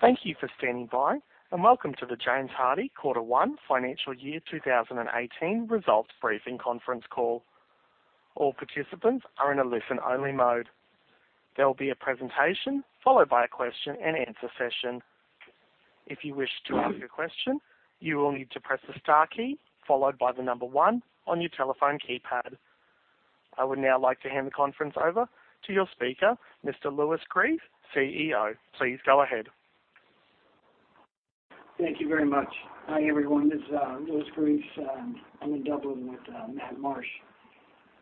Thank you for standing by, and welcome to the James Hardie Quarter One Financial Year 2018 Results Briefing Conference Call. All participants are in a listen-only mode. There will be a presentation followed by a question-and-answer session. If you wish to ask a question, you will need to press the star key followed by the number one on your telephone keypad. I would now like to hand the conference over to your speaker, Mr. Louis Gries, CEO. Please go ahead. Thank you very much. Hi, everyone, this is Louis Gries. I'm in Dublin with Matt Marsh.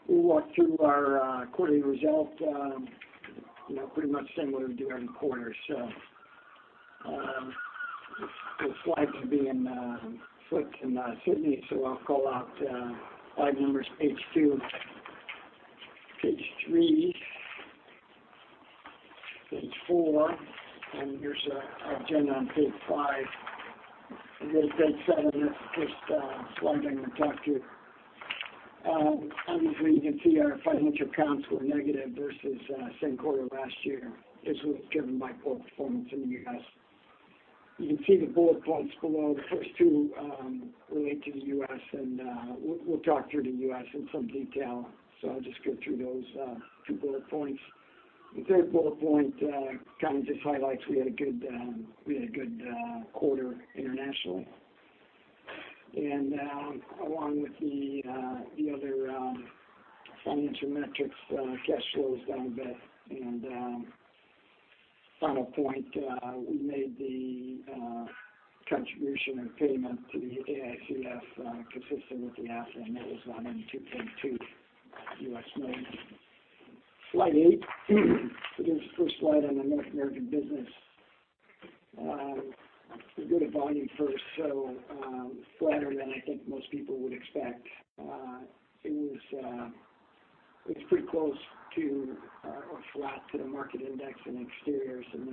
We'll walk through our quarterly result, you know, pretty much similar to every quarter. So, the slides will be flicking in Sydney, so I'll call out slide numbers, page two, page three, page four, and there's an agenda on page five. And there's page seven, that's just slides I'm gonna talk to. Obviously, you can see our financial accounts were negative versus same quarter last year. This was driven by poor performance in the U.S. You can see the bullet points below. The first two relate to the U.S. and we'll talk through the U.S. in some detail. So I'll just go through those two bullet points. The third bullet point kind of just highlights we had a good quarter internationally. And along with the other financial metrics, cash flow is down a bit. And final point, we made the contribution and payment to the AICF consistent with the AFFA that was run in $2.2 million. Slide eight. It is the first slide on the North American business. We'll go to volume first. So, flatter than I think most people would expect. It was pretty close to flat to the market index in exteriors, and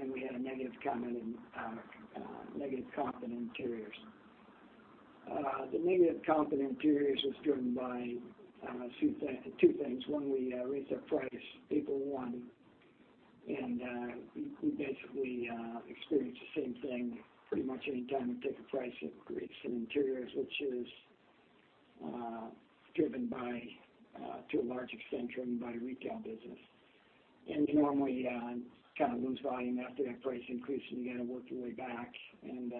then we had a negative comp in interiors. The negative comp in interiors was driven by a few things, two things. One, we raised our price April one, and we basically experienced the same thing pretty much anytime we take a price. It creates some inertia, which is driven by, to a large extent, driven by retail business. And normally, kind of lose volume after that price increase, and you gotta work your way back. And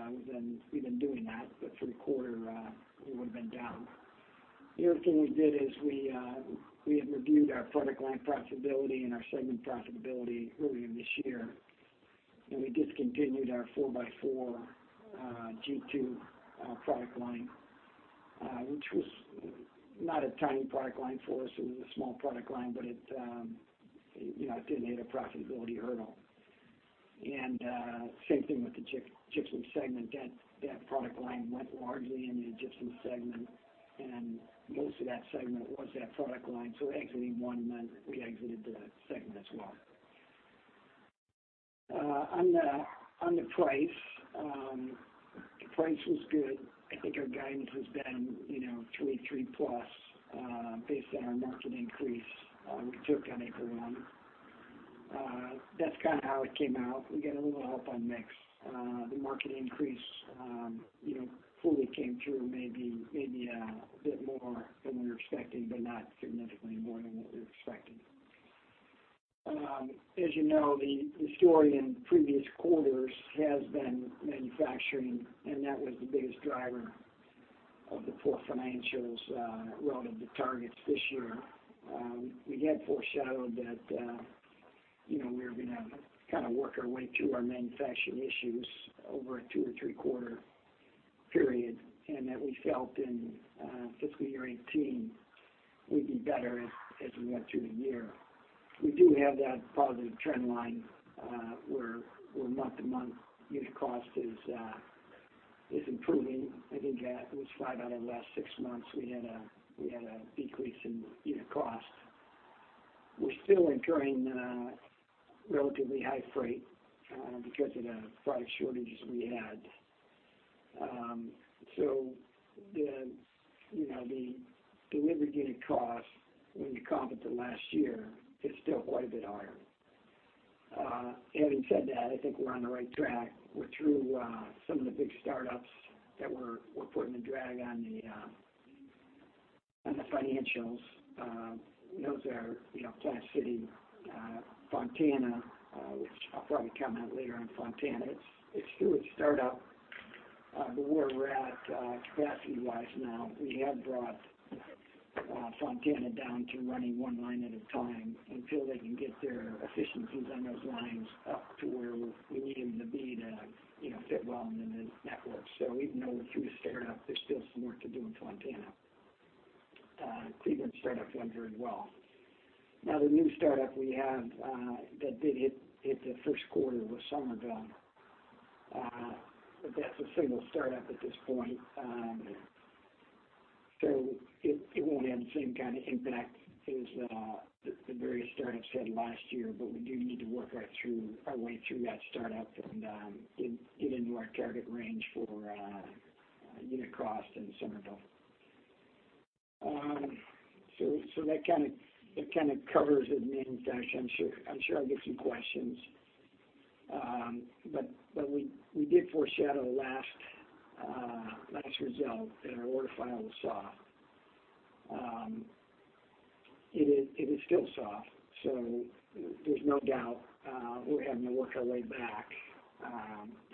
we've been doing that, but through the quarter, we would have been down. The other thing we did is we had reviewed our product line profitability and our segment profitability earlier this year, and we discontinued our four-by-four G2 product line, which was not a tiny product line for us. It was a small product line, but you know, it didn't hit a profitability hurdle. And same thing with the gypsum segment. That product line went largely in the gypsum segment, and most of that segment was that product line. So exiting one meant we exited the segment as well. On the price, the price was good. I think our guidance has been, you know, three, three plus, based on our market increase, we took on April one. That's kind of how it came out. We got a little help on mix. The market increase, you know, fully came through, maybe, maybe a bit more than we were expecting, but not significantly more than what we were expecting. As you know, the story in previous quarters has been manufacturing, and that was the biggest driver of the poor financials, relative to targets this year. We had foreshadowed that, you know, we were gonna kind of work our way through our manufacturing issues over a two- or three-quarter period, and that we felt in fiscal year 2018, we'd be better as we went through the year. We do have that positive trend line, where month to month, unit cost is improving. I think it was five out of the last six months, we had a decrease in unit cost. We're still incurring relatively high freight because of the product shortages we had. So the, you know, the delivered cost when you comp it to last year, is still quite a bit higher. Having said that, I think we're on the right track. We're through some of the big startups that were putting the drag on the financials. Those are, you know, Plant City, Fontana, which I'll probably comment later on Fontana. It's through its startup, but where we're at, capacity-wise now, we have brought Fontana down to running one line at a time until they can get their efficiencies on those lines up to where we need them to be to, you know, fit well in the network. So even though we're through the startup, there's still some work to do in Fontana. Cleveland startup went very well. Now, the new startup we have that did hit the first quarter was Summerville. But that's a single startup at this point. So it won't have the same kind of impact as the various startups had last year, but we do need to work our way through that startup and get into our target range for unit cost in Summerville. So that kind of covers it in manufacturing. I'm sure I'll get some questions. But we did foreshadow last result that our order file was soft. It is, it is still soft, so there's no doubt, we're having to work our way back,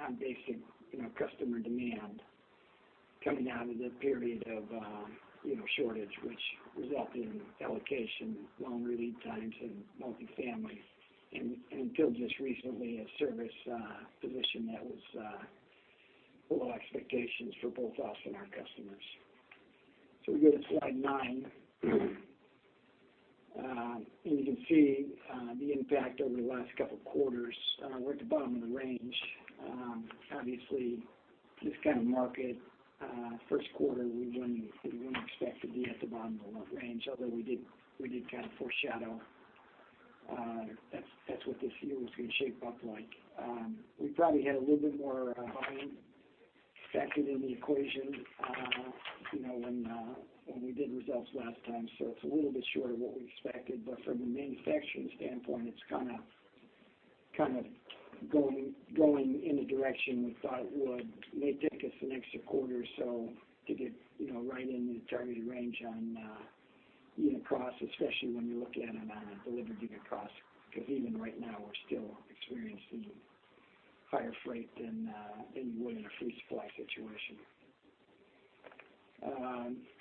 on basic, you know, customer demand coming out of the period of, you know, shortage, which resulted in allocation, longer lead times in multifamily, and until just recently, a service position that was below expectations for both us and our customers, so we go to slide nine and you can see the impact over the last couple of quarters. We're at the bottom of the range. Obviously, this kind of market, first quarter, we wouldn't, we wouldn't expect to be at the bottom of the range, although we did, we did kind of foreshadow, that's, that's what this year was gonna shape up like. We probably had a little bit more volume factored in the equation, you know, when we did results last time, so it's a little bit short of what we expected. But from a manufacturing standpoint, it's kind of going in the direction we thought it would. May take us an extra quarter or so to get, you know, right in the targeted range on unit costs, especially when you're looking at it on a delivered unit cost, because even right now, we're still experiencing higher freight than you would in a free supply situation.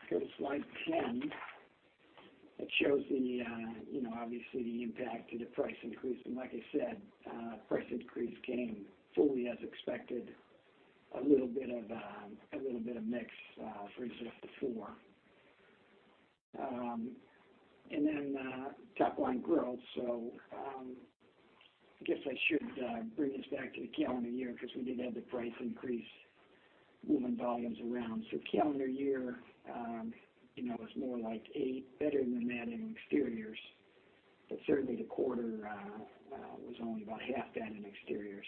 Go to slide 10. It shows the, you know, obviously, the impact of the price increase, and like I said, price increase came fully as expected, a little bit of mix versus the four. And then top line growth. So I guess I should bring us back to the calendar year, because we did have the price increase moving volumes around. So calendar year, you know, was more like eight, better than that in exteriors, but certainly the quarter was only about half that in exteriors.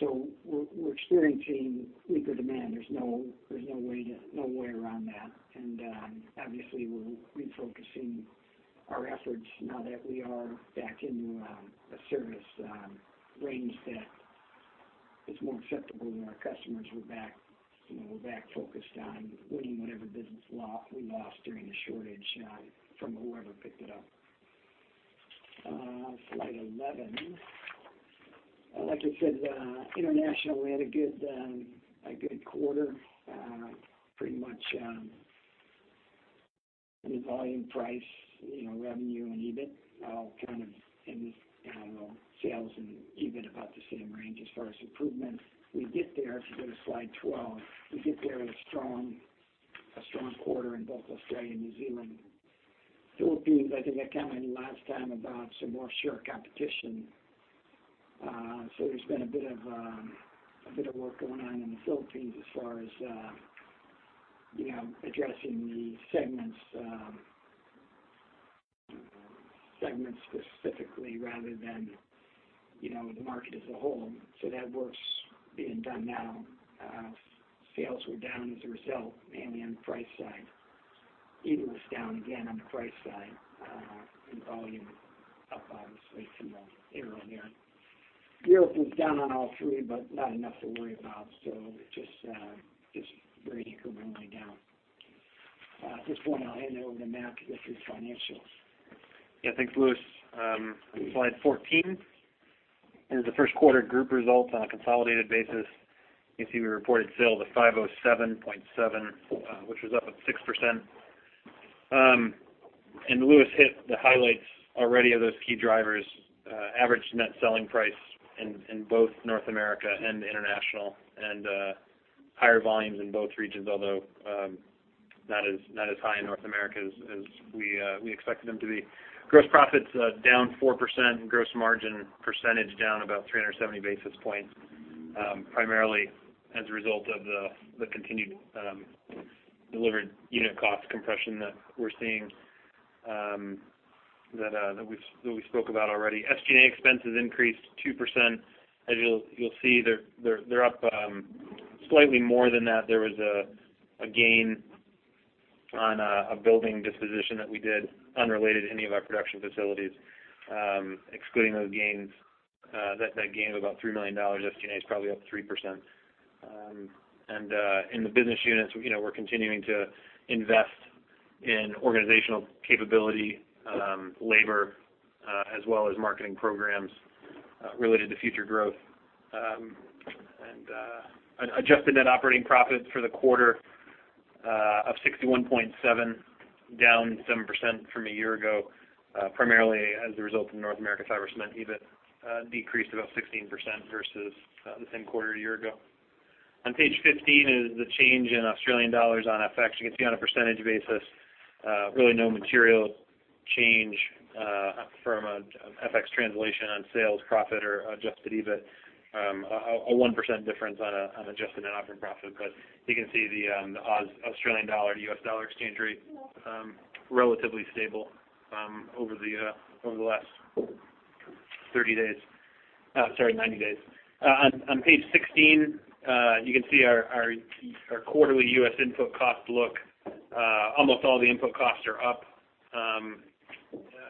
So we're experiencing weaker demand. There's no way around that. And obviously, we're refocusing our efforts now that we are back into a service range that is more acceptable to our customers. We're back, you know, we're back focused on winning whatever business we lost during the shortage from whoever picked it up. Slide 11. Like I said, international, we had a good quarter. Pretty much, the volume, price, you know, revenue and EBIT, all kind of in, well, sales and EBIT, about the same range as far as improvement. We get there if you go to slide twelve; we get there in a strong quarter in both Australia and New Zealand. Philippines, I think I commented last time about some more sheer competition. So there's been a bit of work going on in the Philippines as far as, you know, addressing the segments specifically rather than, you know, the market as a whole. So that work's being done now. Sales were down as a result, mainly on the price side. EBIT was down again on the price side, and volume up, obviously, from the year on year. Europe was down on all three, but not enough to worry about, so just pretty evenly down. At this point, I'll hand it over to Matt to get through financials. Yeah, thanks, Louis. Slide 14 is the first quarter group results on a consolidated basis. You can see we reported sales of $507.7 million, which was up 6%. And Louis hit the highlights already of those key drivers, average net selling price in both North America and International, and higher volumes in both regions, although not as high in North America as we expected them to be. Gross profits down 4%, and gross margin percentage down about three hundred and seventy basis points, primarily as a result of the continued delivered unit cost compression that we're seeing, that we spoke about already. SG&A expenses increased 2%. As you'll see they're up slightly more than that. There was a gain on a building disposition that we did unrelated to any of our production facilities. Excluding those gains, that gain of about $3 million, SG&A is probably up 3%. And in the business units, you know, we're continuing to invest in organizational capability, labor, as well as marketing programs related to future growth. And an adjusted net operating profit for the quarter of 61.7, down 7% from a year ago, primarily as a result of North America Fiber Cement EBIT decreased about 16% versus the same quarter a year ago. On page 15 is the change in Australian dollars on FX. You can see on a percentage basis, really no material change from an FX translation on sales, profit, or adjusted EBIT. A 1% difference on adjusted net operating profit. But you can see the Australian dollar, the US dollar exchange rate relatively stable over the last 90 days. On page 16, you can see our quarterly US input costs look almost all the input costs are up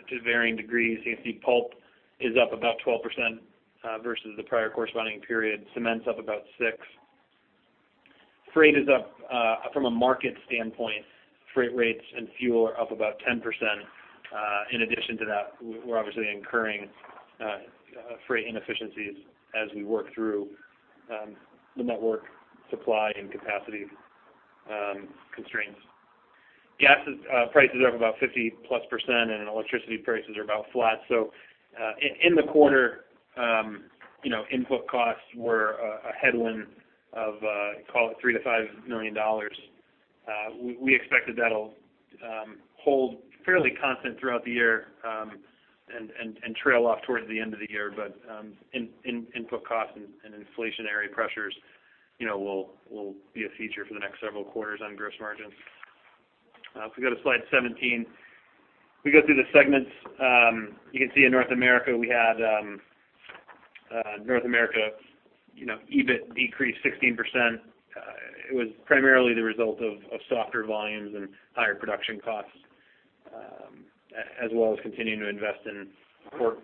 to varying degrees. You can see pulp is up about 12% versus the prior corresponding period. Cement's up about 6%. Freight is up from a market standpoint, freight rates and fuel are up about 10%, in addition to that, we're obviously incurring freight inefficiencies as we work through the network supply and capacity constraints. Gas prices are up about 50-plus%, and electricity prices are about flat. So, in the quarter, you know, input costs were a headwind of, call it $3-$5 million. We expected that'll hold fairly constant throughout the year, and trail off towards the end of the year. But, input costs and inflationary pressures, you know, will be a feature for the next several quarters on gross margins. If we go to slide 17, we go through the segments, you can see in North America, you know, EBIT decreased 16%. It was primarily the result of softer volumes and higher production costs, as well as continuing to invest in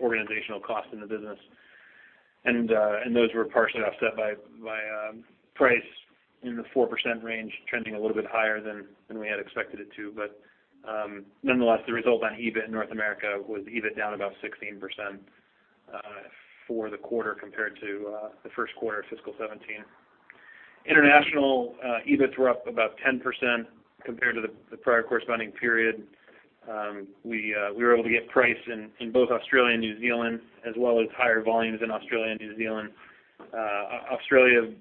organizational costs in the business. And those were partially offset by price in the 4% range, trending a little bit higher than we had expected it to. But nonetheless, the result on EBIT in North America was EBIT down about 16% for the quarter compared to the first quarter of fiscal 2017. International EBITs were up about 10% compared to the prior corresponding period. We were able to get price in both Australia and New Zealand, as well as higher volumes in Australia and New Zealand. Australia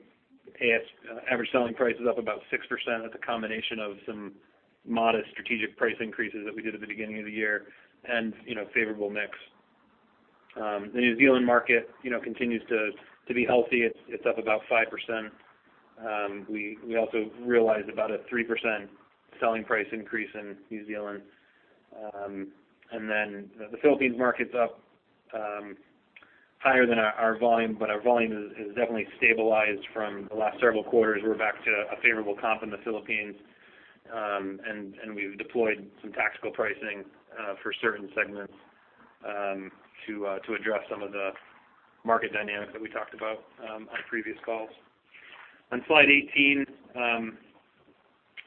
average selling price is up about 6%. That's a combination of some modest strategic price increases that we did at the beginning of the year and you know, favorable mix. The New Zealand market you know continues to be healthy. It's up about 5%. We also realized about a 3% selling price increase in New Zealand, and then the Philippines market's up higher than our volume, but our volume is definitely stabilized from the last several quarters. We're back to a favorable comp in the Philippines, and we've deployed some tactical pricing for certain segments to address some of the market dynamics that we talked about on previous calls. On slide 18,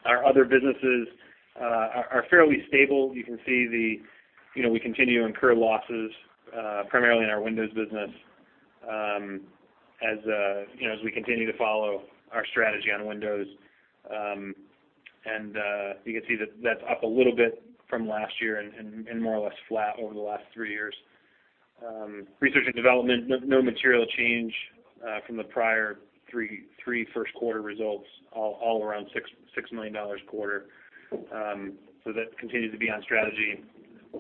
our other businesses are fairly stable. You can see, you know, we continue to incur losses primarily in our windows business, as you know, as we continue to follow our strategy on windows, and you can see that that's up a little bit from last year and more or less flat over the last three years. Research and development, no material change from the prior three first quarter results, all around $6 million quarter. So that continues to be on strategy,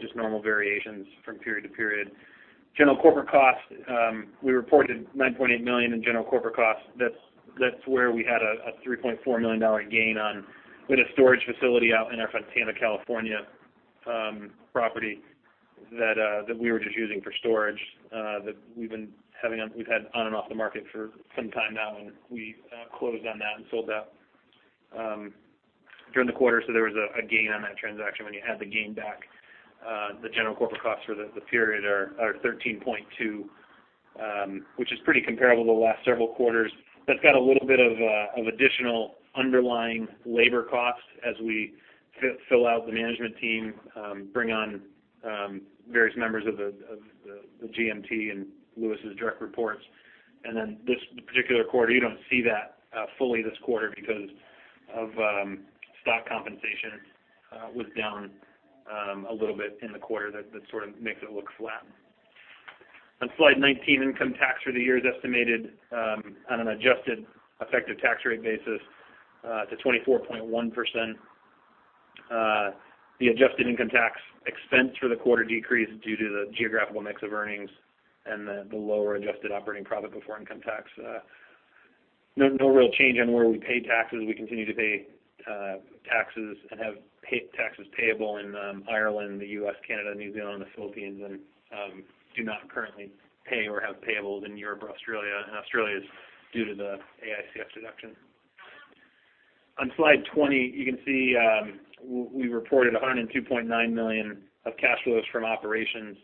just normal variations from period to period. General corporate costs, we reported $9.8 million in general corporate costs. That's where we had a $3.4 million gain on, we had a storage facility out in our Fontana, California, property that we were just using for storage, that we've had on and off the market for some time now, and we closed on that and sold that during the quarter. So there was a gain on that transaction. When you add the gain back, the general corporate costs for the period are $13.2 million, which is pretty comparable to the last several quarters. That's got a little bit of additional underlying labor costs as we fill out the management team, bring on various members of the GMT and Louis's direct reports. And then this particular quarter, you don't see that fully this quarter because of stock compensation was down a little bit in the quarter. That sort of makes it look flat. On slide 19, income tax for the year is estimated on an adjusted effective tax rate basis to 24.1%. The adjusted income tax expense for the quarter decreased due to the geographical mix of earnings and the lower adjusted operating profit before income tax. No real change on where we pay taxes. We continue to pay taxes and have taxes payable in Ireland, the U.S., Canada, New Zealand, the Philippines, and do not currently pay or have payables in Europe or Australia. And Australia is due to the AICF deduction. On slide 20, you can see we reported $102.9 million of cash flows from operations,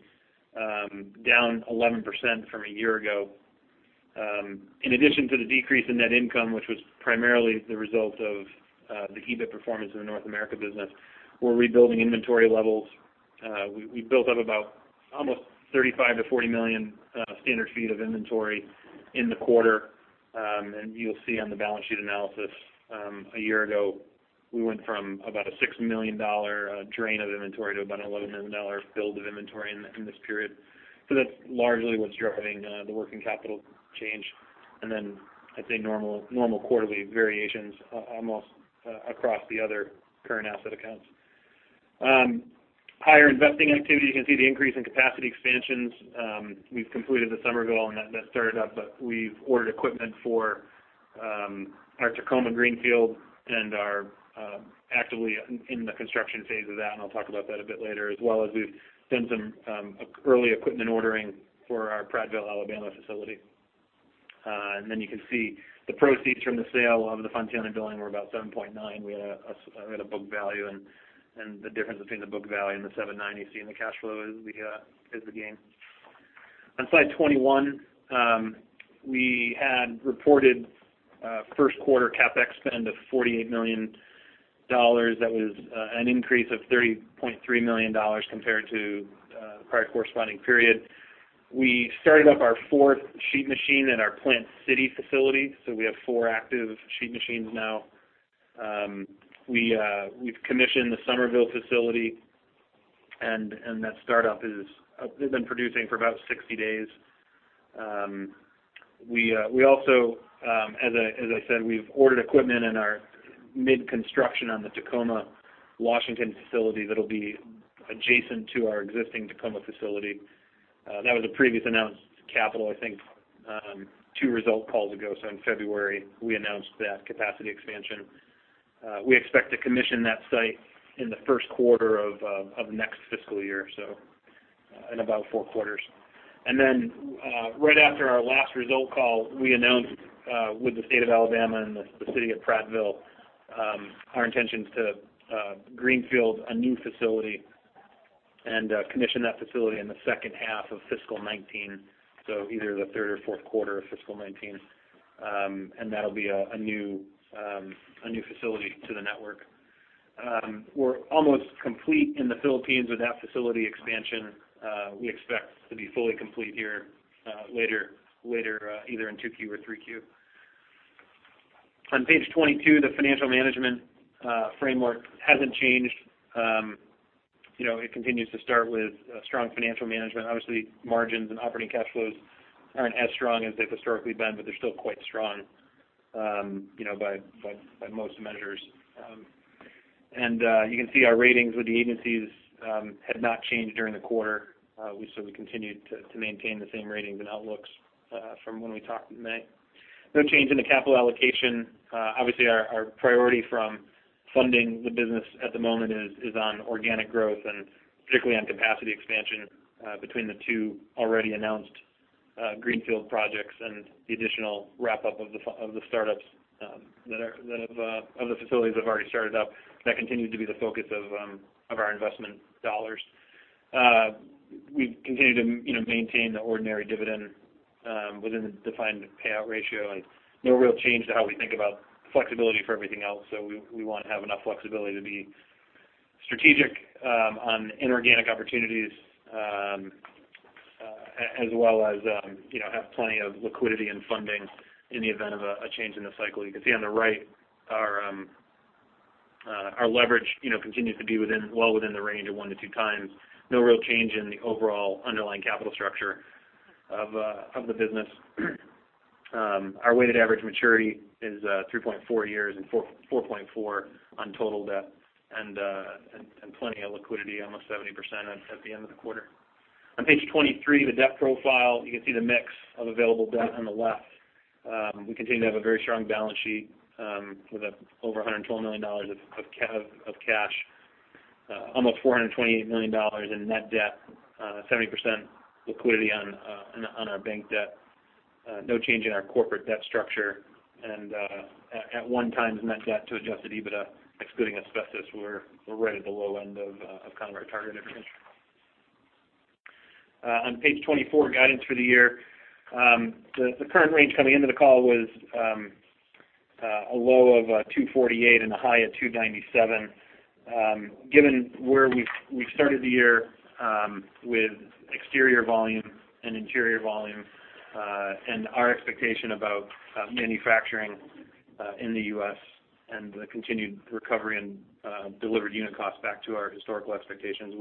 down 11% from a year ago. In addition to the decrease in net income, which was primarily the result of the EBIT performance in the North America business, we're rebuilding inventory levels. We built up about almost 35-40 million standard feet of inventory in the quarter. And you'll see on the balance sheet analysis, a year ago, we went from about a $6 million drain of inventory to about an $11 million build of inventory in this period. So that's largely what's driving the working capital change, and then I'd say normal quarterly variations almost across the other current asset accounts. Higher investing activity, you can see the increase in capacity expansions. We've completed the Summerville, and that started up, but we've ordered equipment for our Tacoma Greenfield and are actively in the construction phase of that, and I'll talk about that a bit later, as well as we've done some early equipment ordering for our Prattville, Alabama, facility. And then you can see the proceeds from the sale of the Fontana building were about $7.9. We had a book value, and the difference between the book value and the $7.9 you see in the cash flow is the gain. On slide 21, we had reported first quarter CapEx spend of $48 million. That was an increase of $30.3 million compared to prior corresponding period. We started up our fourth sheet machine in our Plant City facility, so we have four active sheet machines now. We've commissioned the Summerville facility, and that startup is they've been producing for about 60 days. We also, as I said, we've ordered equipment in our mid-construction on the Tacoma, Washington, facility that'll be adjacent to our existing Tacoma facility. That was a previously announced capital, I think, two results calls ago. So in February, we announced that capacity expansion. We expect to commission that site in the first quarter of next fiscal year, so in about four quarters. And then, right after our last result call, we announced with the state of Alabama and the city of Prattville our intentions to greenfield a new facility and commission that facility in the second half of fiscal 2019, so either the third or fourth quarter of fiscal 2019. And that'll be a new facility to the network. We're almost complete in the Philippines with that facility expansion. We expect to be fully complete here later, either in 2Q or 3Q. On page 22, the financial management framework hasn't changed. You know, it continues to start with strong financial management. Obviously, margins and operating cash flows aren't as strong as they've historically been, but they're still quite strong, you know, by most measures. You can see our ratings with the agencies have not changed during the quarter. We continued to maintain the same ratings and outlooks from when we talked in May. No change in the capital allocation. Obviously, our priority from funding the business at the moment is on organic growth and particularly on capacity expansion between the two already announced greenfield projects and the additional wrap-up of the startups that have other facilities have already started up. That continues to be the focus of our investment dollars. We've continued to, you know, maintain the ordinary dividend within the defined payout ratio, and no real change to how we think about flexibility for everything else. So we want to have enough flexibility to be strategic on inorganic opportunities as well as, you know, have plenty of liquidity and funding in the event of a change in the cycle. You can see on the right, our leverage, you know, continues to be within, well within the range of one to two times. No real change in the overall underlying capital structure of the business. Our weighted average maturity is three point four years and four point four on total debt and plenty of liquidity, almost 70% at the end of the quarter. On page 23, the debt profile, you can see the mix of available debt on the left. We continue to have a very strong balance sheet, with over $112 million of cash, almost $428 million in net debt, 70% liquidity on our bank debt. No change in our corporate debt structure, and at 1 times net debt to adjusted EBITDA, excluding asbestos, we're right at the low end of kind of our target range. On page 24, guidance for the year. The current range coming into the call was a low of $248 and a high of $297. Given where we've started the year, with exterior volume and interior volume, and our expectation about manufacturing in the U.S. and the continued recovery in delivered unit costs back to our historical expectations,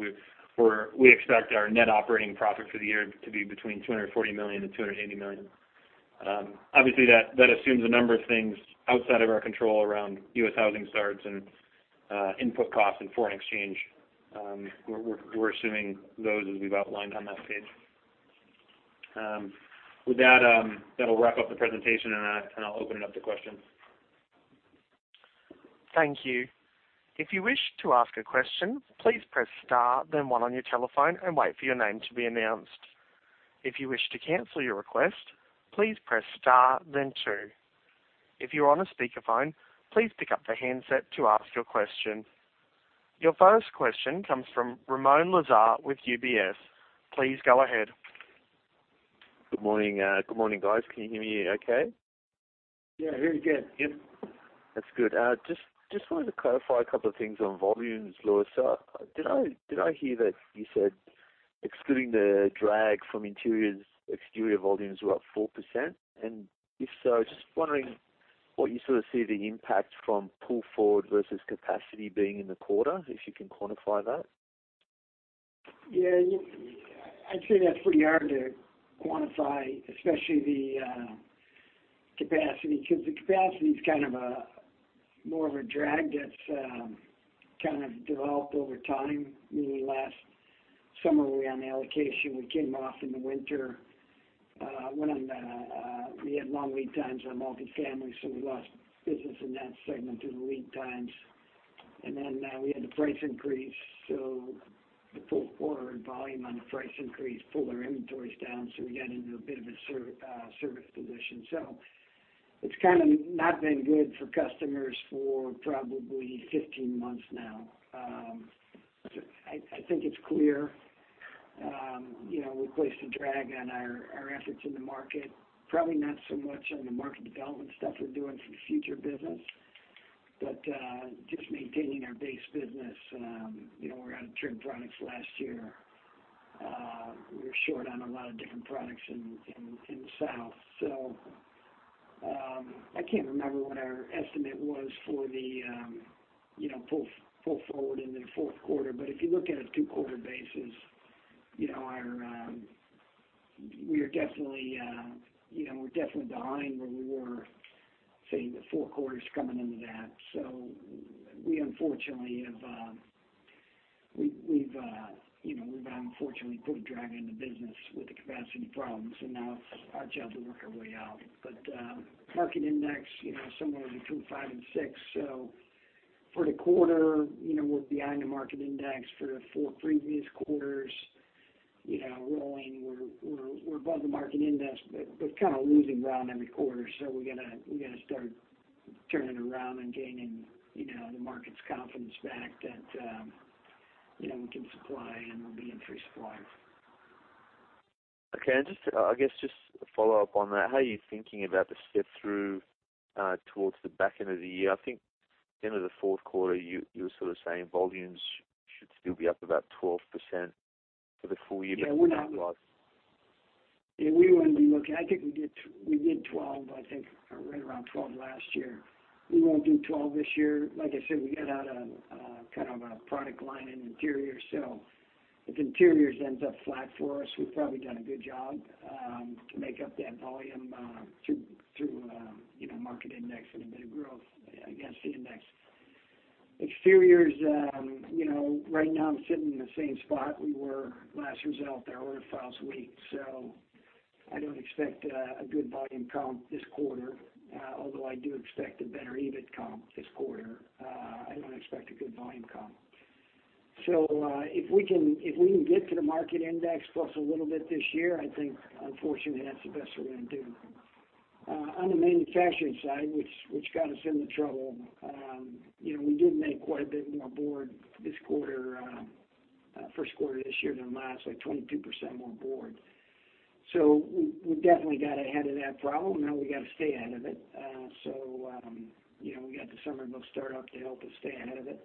we expect our net operating profit for the year to be between $240 million and $280 million. Obviously, that assumes a number of things outside of our control around U.S. housing starts and input costs and foreign exchange. We're assuming those as we've outlined on that page. With that, that'll wrap up the presentation, and I'll open it up to questions. Thank you. If you wish to ask a question, please press star, then one on your telephone and wait for your name to be announced. If you wish to cancel your request, please press star then two. If you are on a speakerphone, please pick up the handset to ask your question. Your first question comes from Ramon Laviña with UBS. Please go ahead. Good morning. Good morning, guys. Can you hear me okay? Yeah, I hear you again. Yep. That's good. Just wanted to clarify a couple of things on volumes, Louis. Did I hear that you said, excluding the drag from interiors, exterior volumes were up 4%? And if so, just wondering what you sort of see the impact from pull forward versus capacity being in the quarter, if you can quantify that? Yeah, you, I'd say that's pretty hard to quantify, especially the capacity, because the capacity is kind of more of a drag that's kind of developed over time, meaning summary on the allocation, we came off in the winter, went on, we had long lead times on multifamily, so we lost business in that segment through the lead times. And then, we had a price increase, so the full quarter and volume on the price increase pulled our inventories down, so we got into a bit of a service position. So it's kind of not been good for customers for probably 15 months now. I think it's clear, you know, we placed a drag on our efforts in the market, probably not so much on the market development stuff we're doing for the future business. But just maintaining our base business, you know, we're out of trim products last year. We were short on a lot of different products in the south. So I can't remember what our estimate was for the, you know, full forward in the fourth quarter. But if you look at a two-quarter basis, you know, our, we are definitely, you know, we're definitely behind where we were, say, the four quarters coming into that. So we unfortunately have, we, we've, you know, we've unfortunately put a drag on the business with the capacity problems, and now it's our job to work our way out. But market index, you know, somewhere between five and six. So for the quarter, you know, we're behind the market index. For the four previous quarters, you know, rolling, we're above the market index, but kind of losing ground every quarter. So we gotta start turning around and gaining, you know, the market's confidence back that, you know, we can supply and we'll be in free supply. Okay. And just, I guess just to follow up on that, how are you thinking about the step through towards the back end of the year? I think end of the fourth quarter, you were sort of saying volumes should still be up about 12% for the full year- Yeah, we're not- But otherwise. Yeah, we wouldn't be looking. I think we did 12, I think, or right around 12 last year. We won't do 12 this year. Like I said, we got out of kind of a product line in interiors, so if interiors ends up flat for us, we've probably done a good job to make up that volume through you know, market index and a bit of growth against the index. Exteriors, you know, right now I'm sitting in the same spot we were last result. Our order files weak, so I don't expect a good volume comp this quarter, although I do expect a better EBIT comp this quarter, I don't expect a good volume comp. So, if we can get to the market index plus a little bit this year, I think unfortunately that's the best we're gonna do. On the manufacturing side, which got us into trouble, you know, we did make quite a bit more board this quarter, first quarter this year than last, like 22% more board. So we definitely got ahead of that problem, now we gotta stay out of it. So, you know, we got the Summerville plant startup to help us stay ahead of it,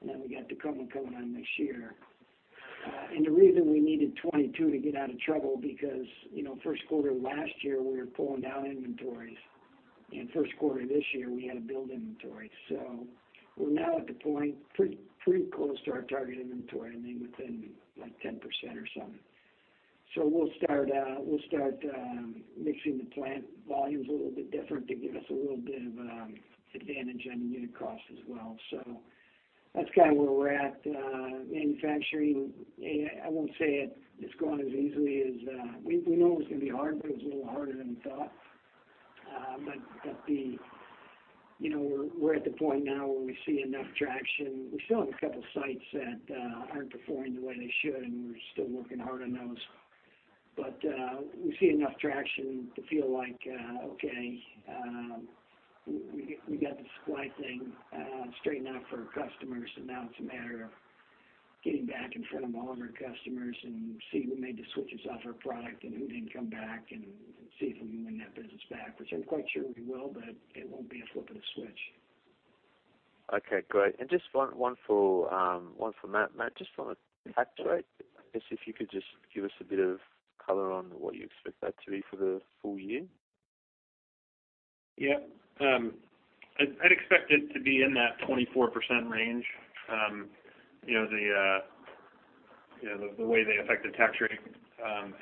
and then we got the Tacoma coming on next year. And the reason we needed 22% to get out of trouble, because, you know, first quarter last year, we were pulling down inventories. In first quarter this year, we had to build inventories. So we're now at the point pretty close to our target inventory, I mean, within, like, 10% or something. So we'll start mixing the plant volumes a little bit different to give us a little bit of advantage on the unit cost as well. So that's kind of where we're at. Manufacturing, I won't say it, it's going as easily as... We know it was gonna be hard, but it's a little harder than we thought. But the, you know, we're at the point now where we see enough traction. We still have a couple of sites that aren't performing the way they should, and we're still working hard on those. But we see enough traction to feel like, okay, we got the supply thing straightened out for our customers, so now it's a matter of getting back in front of all of our customers and seeing who made the switches off our product and who didn't come back, and see if we can win that business back, which I'm quite sure we will, but it won't be a flip of the switch. Okay, great. And just one for Matt. Matt, just on the tax rate, I guess if you could just give us a bit of color on what you expect that to be for the full year? Yeah. I'd expect it to be in that 24% range. You know, the way the effective tax rate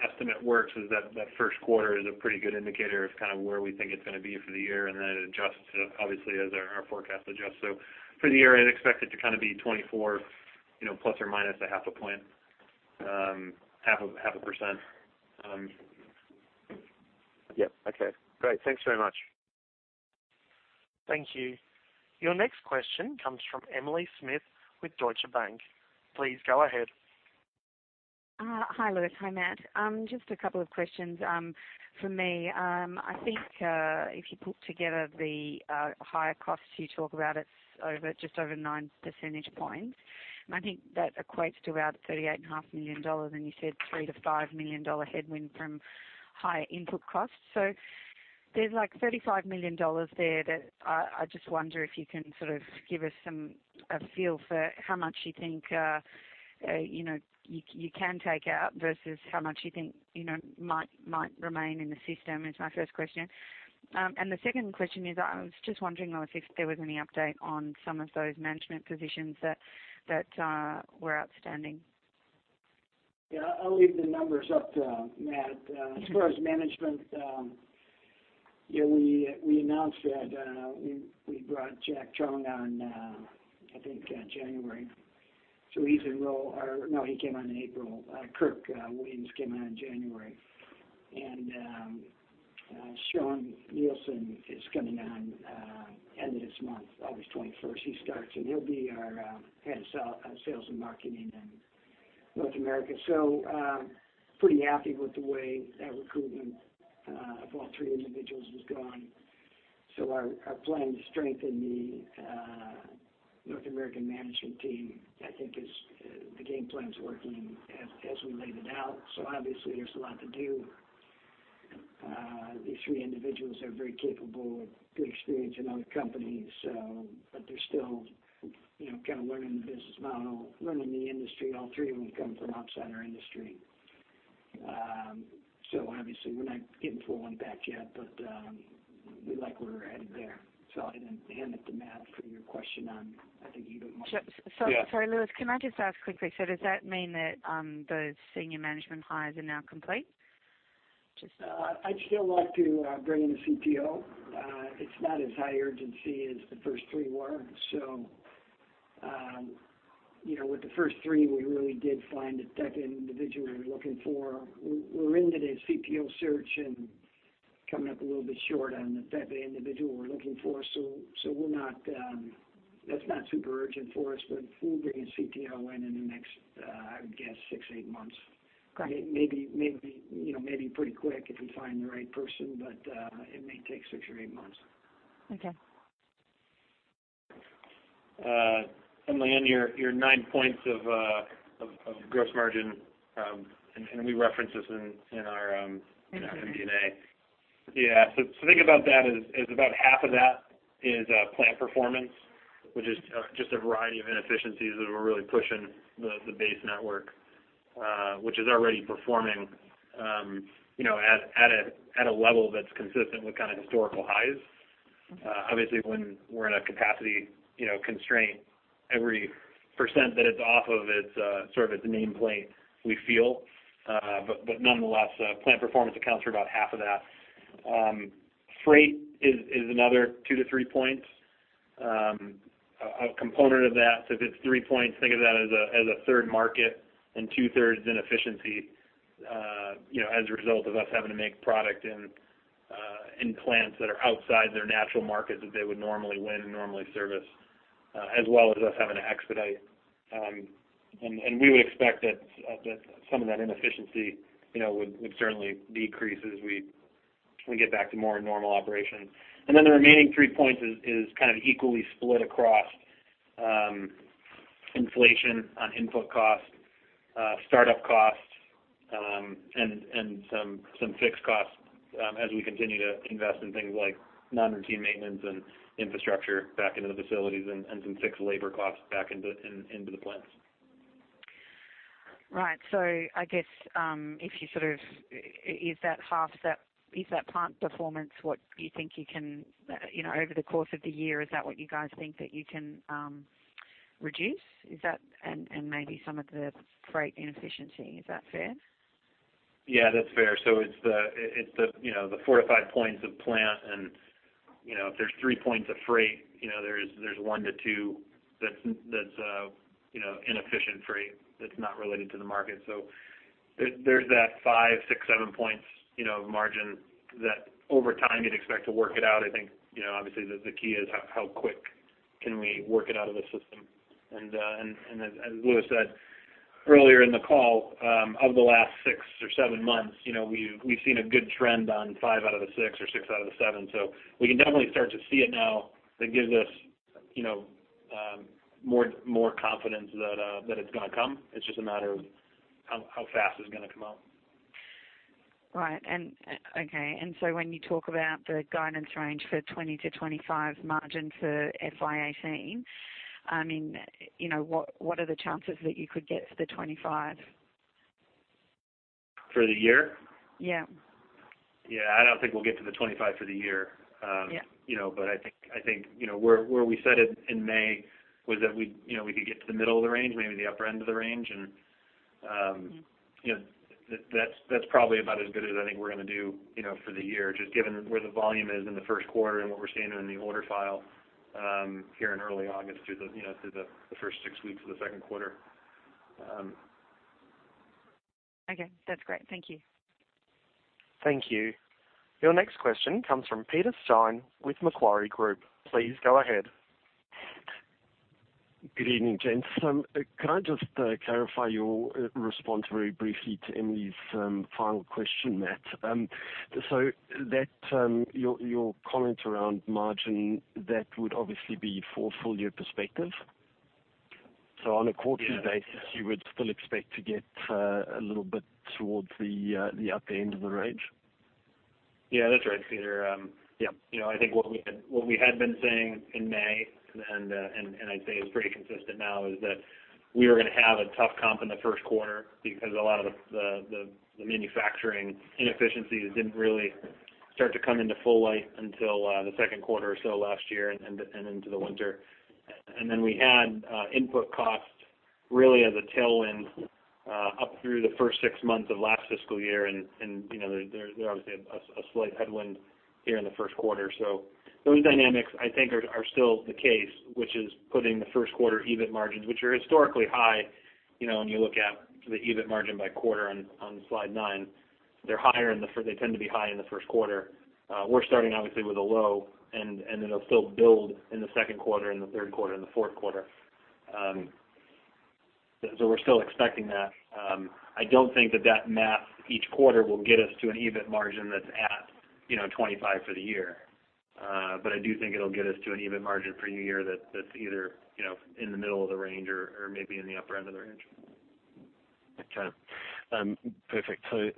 estimate works is that first quarter is a pretty good indicator of kind of where we think it's gonna be for the year, and then it adjusts, obviously, as our forecast adjusts. For the year, I'd expect it to kind of be 24%, you know, plus or minus a half a point, half a percent. Yeah. Okay, great. Thanks very much. Thank you. Your next question comes from Emily Smith with Deutsche Bank. Please go ahead. Hi, Louis. Hi, Matt. Just a couple of questions from me. I think if you put together the higher costs you talk about, it's just over nine percentage points, and I think that equates to around $38.5 million, and you said $3-$5 million headwind from higher input costs. So there's like $35 million there that I just wonder if you can sort of give us some, a feel for how much you think, you know, you can take out versus how much you think, you know, might remain in the system. Is my first question. And the second question is, I was just wondering if there was any update on some of those management positions that were outstanding? Yeah, I'll leave the numbers up to Matt. As far as management, yeah, we announced that we brought Jack Truong on, I think, January. So he's in role or no, he came on in April. Kirk Williams came on in January. And Sean Gadd is coming on, end of this month, August twenty-first, he starts, and he'll be our head of sales and marketing in North America. So, pretty happy with the way that recruitment of all three individuals has gone. So our plan to strengthen the North American management team, I think is the game plan is working as we laid it out. So obviously, there's a lot to do. These three individuals are very capable with good experience in other companies, so, but they're still, you know, kind of learning the business model, learning the industry. All three of them come from outside our industry. So obviously, we're not getting full impact yet, but, we like where we're headed there. So I'm gonna hand it to Matt for your question on, I think you do more. Sure. Yeah. Sorry, Louis, can I just ask quickly, so does that mean that those senior management hires are now complete? I'd still like to bring in a CTO. It's not as high urgency as the first three were. So, you know, with the first three, we really did find the type of individual we were looking for. We're into the CTO search and coming up a little bit short on the type of individual we're looking for. So, that's not super urgent for us, but we'll bring a CTO in the next, I would guess, six, eight months. Got it. Maybe, maybe, you know, maybe pretty quick if we find the right person, but it may take six or eight months. Okay. Emily, on your nine points of gross margin, and we reference this in our NDA. Yeah, so think about that as about half of that is plant performance, which is just a variety of inefficiencies that we're really pushing the base network, which is already performing, you know, at a level that's consistent with kind of historical highs. Obviously, when we're in a capacity, you know, constraint, every % that it's off of it is sort of at the nameplate, we feel. But nonetheless, plant performance accounts for about half of that. Freight is another 2-3 points. A component of that, so if it's three points, think of that as a third market and two-thirds inefficiency, you know, as a result of us having to make product in plants that are outside their natural markets that they would normally win, normally service, as well as us having to expedite. And we would expect that some of that inefficiency, you know, would certainly decrease as we get back to more normal operation. Then the remaining three points is kind of equally split across inflation on input costs, startup costs, and some fixed costs, as we continue to invest in things like non-routine maintenance and infrastructure back into the facilities and some fixed labor costs back into the plants. Right. So I guess, if you sort of, is that half, that is that plant performance, what you think you can, you know, over the course of the year, is that what you guys think that you can, reduce? Is that... And, and maybe some of the freight inefficiency, is that fair? Yeah, that's fair. So it's the you know the four to five points of plant, and you know if there's three points of freight, you know, there's one to two that's that's you know inefficient freight that's not related to the market. So there's that five six seven points you know margin that over time you'd expect to work it out. I think you know obviously the key is how quick can we work it out of the system. And as Louis said earlier in the call of the last six or seven months you know we've seen a good trend on five out of the six or six out of the seven. So we can definitely start to see it now. That gives us you know more confidence that it's gonna come. It's just a matter of how fast it's gonna come out. Right. And okay, and so when you talk about the guidance range for 20%-25% margin for FY 2018, I mean, you know, what, what are the chances that you could get to the 25%? For the year? Yeah. Yeah. I don't think we'll get to the twenty-five for the year. Yeah. You know, but I think where we said it in May was that we, you know, we could get to the middle of the range, maybe the upper end of the range. And, you know, that's probably about as good as I think we're gonna do, you know, for the year, just given where the volume is in the first quarter and what we're seeing in the order file here in early August through the first six weeks of the second quarter. Okay. That's great. Thank you. Thank you. Your next question comes from Peter Steyn with Macquarie Group. Please go ahead. Good evening, gents. Can I just clarify your response very briefly to Emily's final question, Matt? So that your comment around margin, that would obviously be for full year perspective? So on a quarterly basis- Yeah. you would still expect to get a little bit towards the upper end of the range? Yeah, that's right, Peter. Yep, you know, I think what we had been saying in May, and I'd say is pretty consistent now, is that we were gonna have a tough comp in the first quarter because a lot of the manufacturing inefficiencies didn't really start to come into full light until the second quarter or so last year and into the winter. And then we had input costs really as a tailwind up through the first six months of last fiscal year, and you know, there obviously a slight headwind here in the first quarter. So those dynamics, I think, are still the case, which is putting the first quarter EBIT margins, which are historically high, you know, when you look at the EBIT margin by quarter on slide nine, they're higher in the first. They tend to be high in the first quarter. We're starting obviously with a low, and it'll still build in the second quarter, in the third quarter, in the fourth quarter. So we're still expecting that. I don't think that math each quarter will get us to an EBIT margin that's at, you know, 25 for the year. But I do think it'll get us to an EBIT margin for a new year that's either, you know, in the middle of the range or maybe in the upper end of the range. Okay. Perfect. So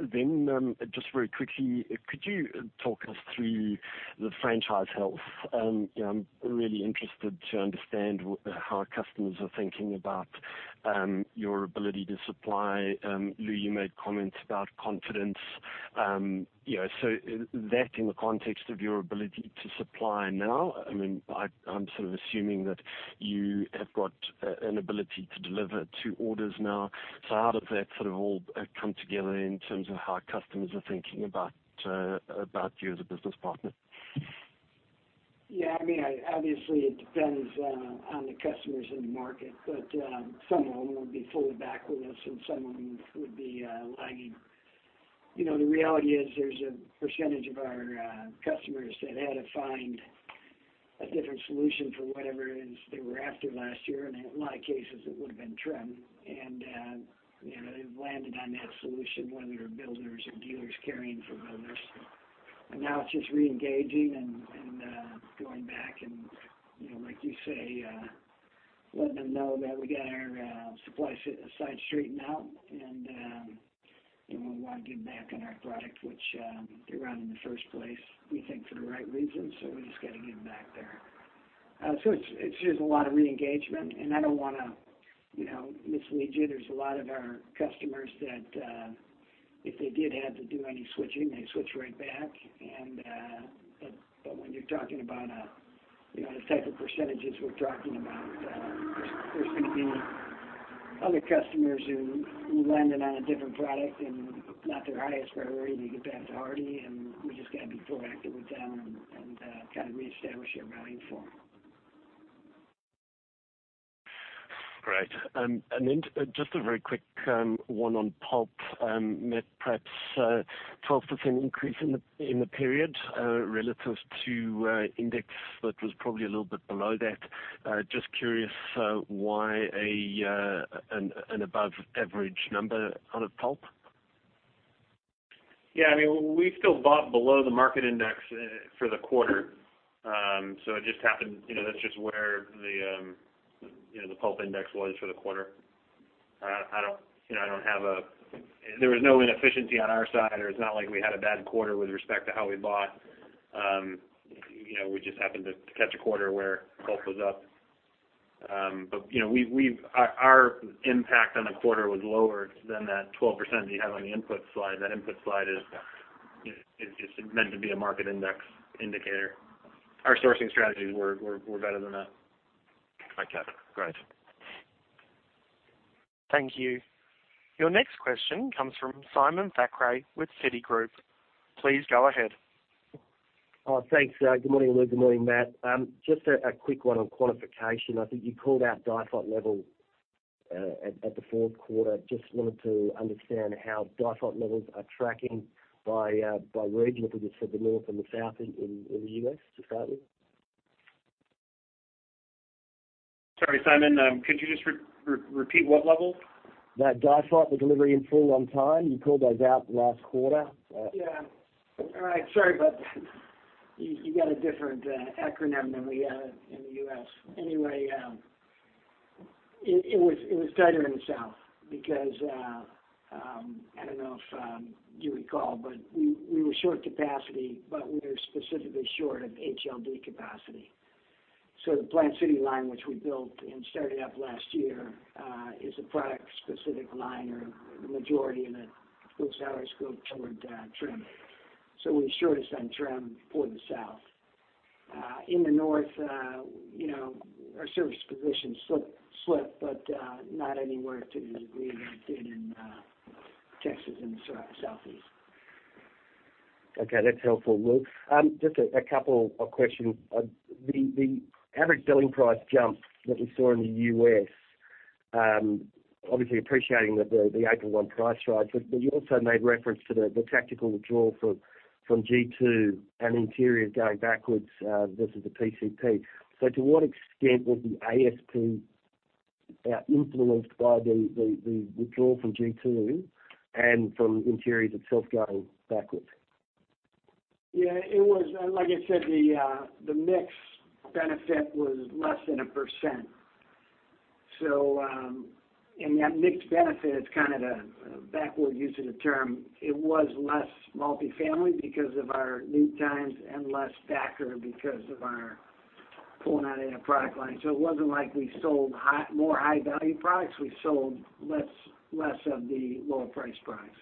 then, just very quickly, could you talk us through the franchise health? I'm really interested to understand how our customers are thinking about your ability to supply. Lou, you made comments about confidence. Yeah, so that in the context of your ability to supply now. I mean, I'm sort of assuming that you have got an ability to deliver to orders now. How does that sort of all come together in terms of how customers are thinking about you as a business partner? Yeah, I mean, obviously, it depends on the customers in the market, but some of them will be fully back with us, and some of them would be lagging. You know, the reality is, there's a percentage of our customers that had to find a different solution for whatever it is they were after last year, and in a lot of cases it would have been trim. And you know, they've landed on that solution, whether they're builders or dealers carrying for builders. Now it's just reengaging and going back and, you know, like you say, letting them know that we got our supply side straightened out, and we want to get back on our product, which they ran in the first place, we think, for the right reasons, so we just got to get them back there. So it's just a lot of reengagement, and I don't want to, you know, mislead you. There's a lot of our customers that, if they did have to do any switching, they'd switch right back. When you're talking about, you know, the type of percentages we're talking about, there's going to be other customers who landed on a different product and not their highest priority to get back to Hardie, and we just got to be proactive with them and kind of reestablish our value form. Great. And then just a very quick one on pulp. Matt, perhaps 12% increase in the period relative to index, but was probably a little bit below that. Just curious why an above average number out of pulp? Yeah, I mean, we still bought below the market index for the quarter. So it just happened, you know, that's just where the, you know, the pulp index was for the quarter. I don't, you know, I don't have a-- There was no inefficiency on our side, or it's not like we had a bad quarter with respect to how we bought. You know, we just happened to catch a quarter where pulp was up. But, you know, we've-- Our impact on the quarter was lower than that 12% you have on the input slide. That input slide is meant to be a market index indicator. Our sourcing strategies were better than that. Okay, great. Thank you. Your next question comes from Simon Thackray with Citigroup. Please go ahead. Thanks. Good morning, Lou. Good morning, Matt. Just a quick one on qualification. I think you called out DIFOT level at the fourth quarter. Just wanted to understand how DIFOT levels are tracking by region, because you said the north and the south in the US, to start with. Sorry, Simon. Could you just repeat what level? That DIFOT, the delivery in full on time. You called those out last quarter. Yeah. All right, sorry, but you got a different acronym than we have in the U.S. Anyway, it was tighter in the South because I don't know if you recall, but we were short capacity, but we were specifically short of XLD capacity. So the Plant City line, which we built and started up last year, is a product-specific line, or the majority of it goes out toward trim. So we shortest on trim for the South. In the North, you know, our service position slip, but not anywhere to the degree that it did in Texas and the Southeast. Okay, that's helpful, Lou. Just a couple of questions. The average selling price jump that we saw in the US, obviously appreciating the eight to one price rise, but you also made reference to the tactical withdrawal from G2 and interior going backwards, versus the PCP. So to what extent was the ASP influenced by the withdrawal from G2 and from interiors itself going backwards? Yeah, it was, like I said, the mix benefit was less than 1%. So, and that mix benefit is kind of a backward use of the term. It was less multifamily because of our lead times and less backer because of our pulling out of that product line. So it wasn't like we sold more high-value products, we sold less of the lower priced products....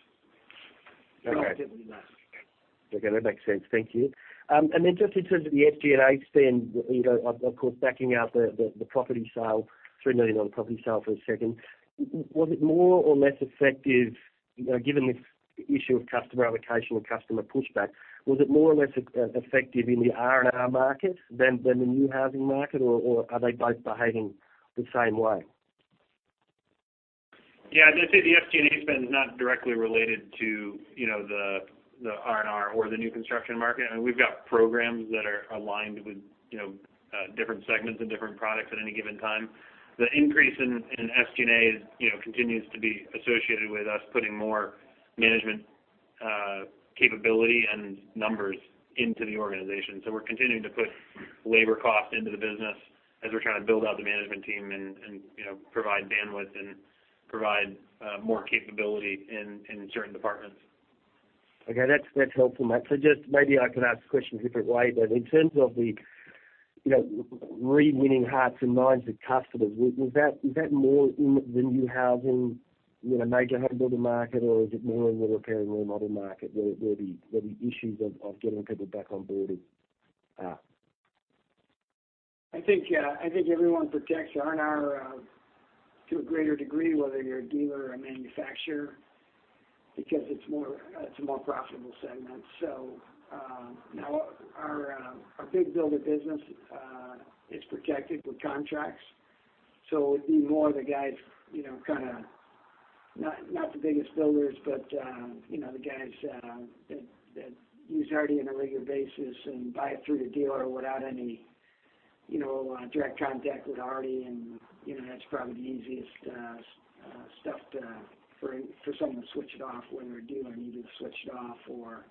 Okay, that makes sense. Thank you. And then just in terms of the SG&A spend, you know, of course, backing out the property sale, $3 million on the property sale for a second. Was it more or less effective, you know, given this issue of customer allocation and customer pushback, was it more or less effective in the R&R market than the new housing market, or are they both behaving the sam e way? Yeah, I'd say the SG&A spend is not directly related to, you know, the R&R or the new construction market. I mean, we've got programs that are aligned with, you know, different segments and different products at any given time. The increase in SG&A, you know, continues to be associated with us putting more management capability and numbers into the organization. So we're continuing to put labor costs into the business as we're trying to build out the management team and, you know, provide bandwidth and provide more capability in certain departments. Okay, that's helpful, Matt. So just maybe I can ask the question a different way, but in terms of the, you know, re-winning hearts and minds of customers, is that more in the new housing, you know, major home builder market, or is it more in the repair and remodel market, where the issues of getting people back on board are? I think everyone protects R&R to a greater degree, whether you're a dealer or a manufacturer, because it's a more profitable segment, so now our big builder business is protected with contracts, so it would be more the guys, you know, kinda not the biggest builders, but you know the guys that use Hardie on a regular basis and buy it through the dealer without any direct contact with Hardie. And you know that's probably the easiest stuff for someone to switch it off when their dealer needed to switch it off, or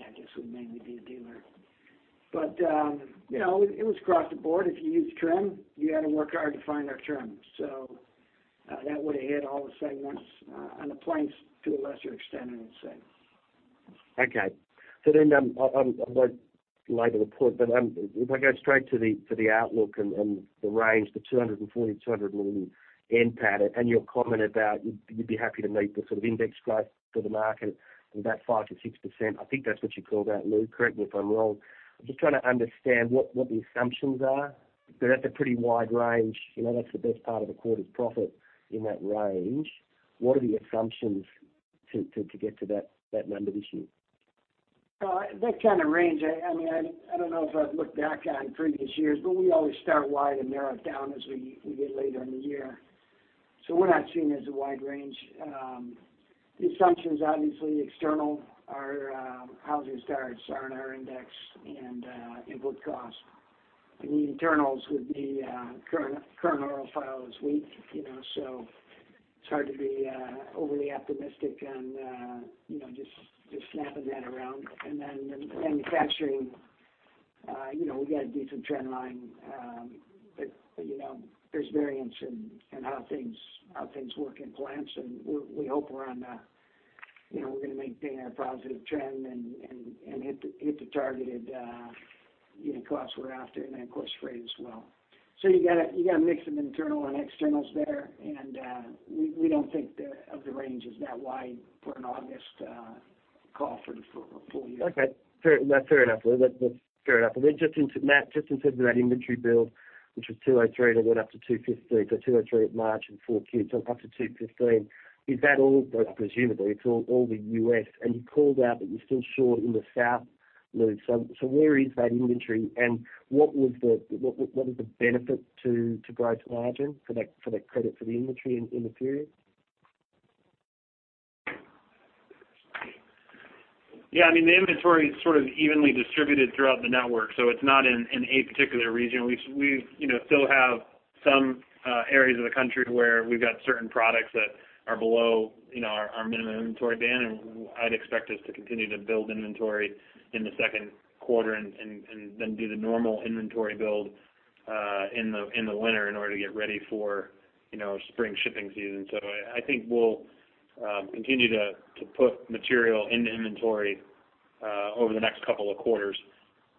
I guess would mainly be a dealer, but you know it was across the board. If you use trim, you had to work hard to find our trim. That would have hit all the segments on the plains to a lesser extent, I would say. Okay. So then, I'll, I won't labor the point, but, if I go straight to the outlook and the range, the 242 million NPAT, and your comment about you'd be happy to meet the sort of index growth for the market of about 5%-6%. I think that's what you called out, Lou, correct me if I'm wrong. I'm just trying to understand what the assumptions are. They're at a pretty wide range, you know, that's the best part of a quarter's profit in that range. What are the assumptions to get to that number this year? That kind of range, I mean, I don't know if I've looked back on previous years, but we always start wide and narrow it down as we get later in the year. So we're not seeing it as a wide range. The assumptions, obviously, external are housing starts, R&R index, and input costs. The internals would be current order file is weak, you know, so it's hard to be overly optimistic on, you know, just snapping that around. And then in manufacturing, you know, we've got a decent trend line, but you know, there's variance in how things work in plants, and we hope we're on a... You know, we're gonna maintain our positive trend and hit the targeted, you know, costs we're after, and then cost rate as well. So you got a mix of internal and externals there, and we don't think the range is that wide for an August call for the full year. Okay. Fair enough. That's fair enough, Lou. And then just into Matt, just in terms of that inventory build, which was 203, and it went up to 215, so 203 at March and 4Q, so up to 215. Is that all, but presumably it's all the US, and you called out that you're still short in the south, Lou. So where is that inventory, and what was the benefit to gross margin for that credit for the inventory in the period? Yeah, I mean, the inventory is sort of evenly distributed throughout the network, so it's not in a particular region. We, you know, still have some areas of the country where we've got certain products that are below, you know, our minimum inventory band, and I'd expect us to continue to build inventory in the second quarter and then do the normal inventory build in the winter in order to get ready for, you know, spring shipping season. So I think we'll continue to put material into inventory over the next couple of quarters.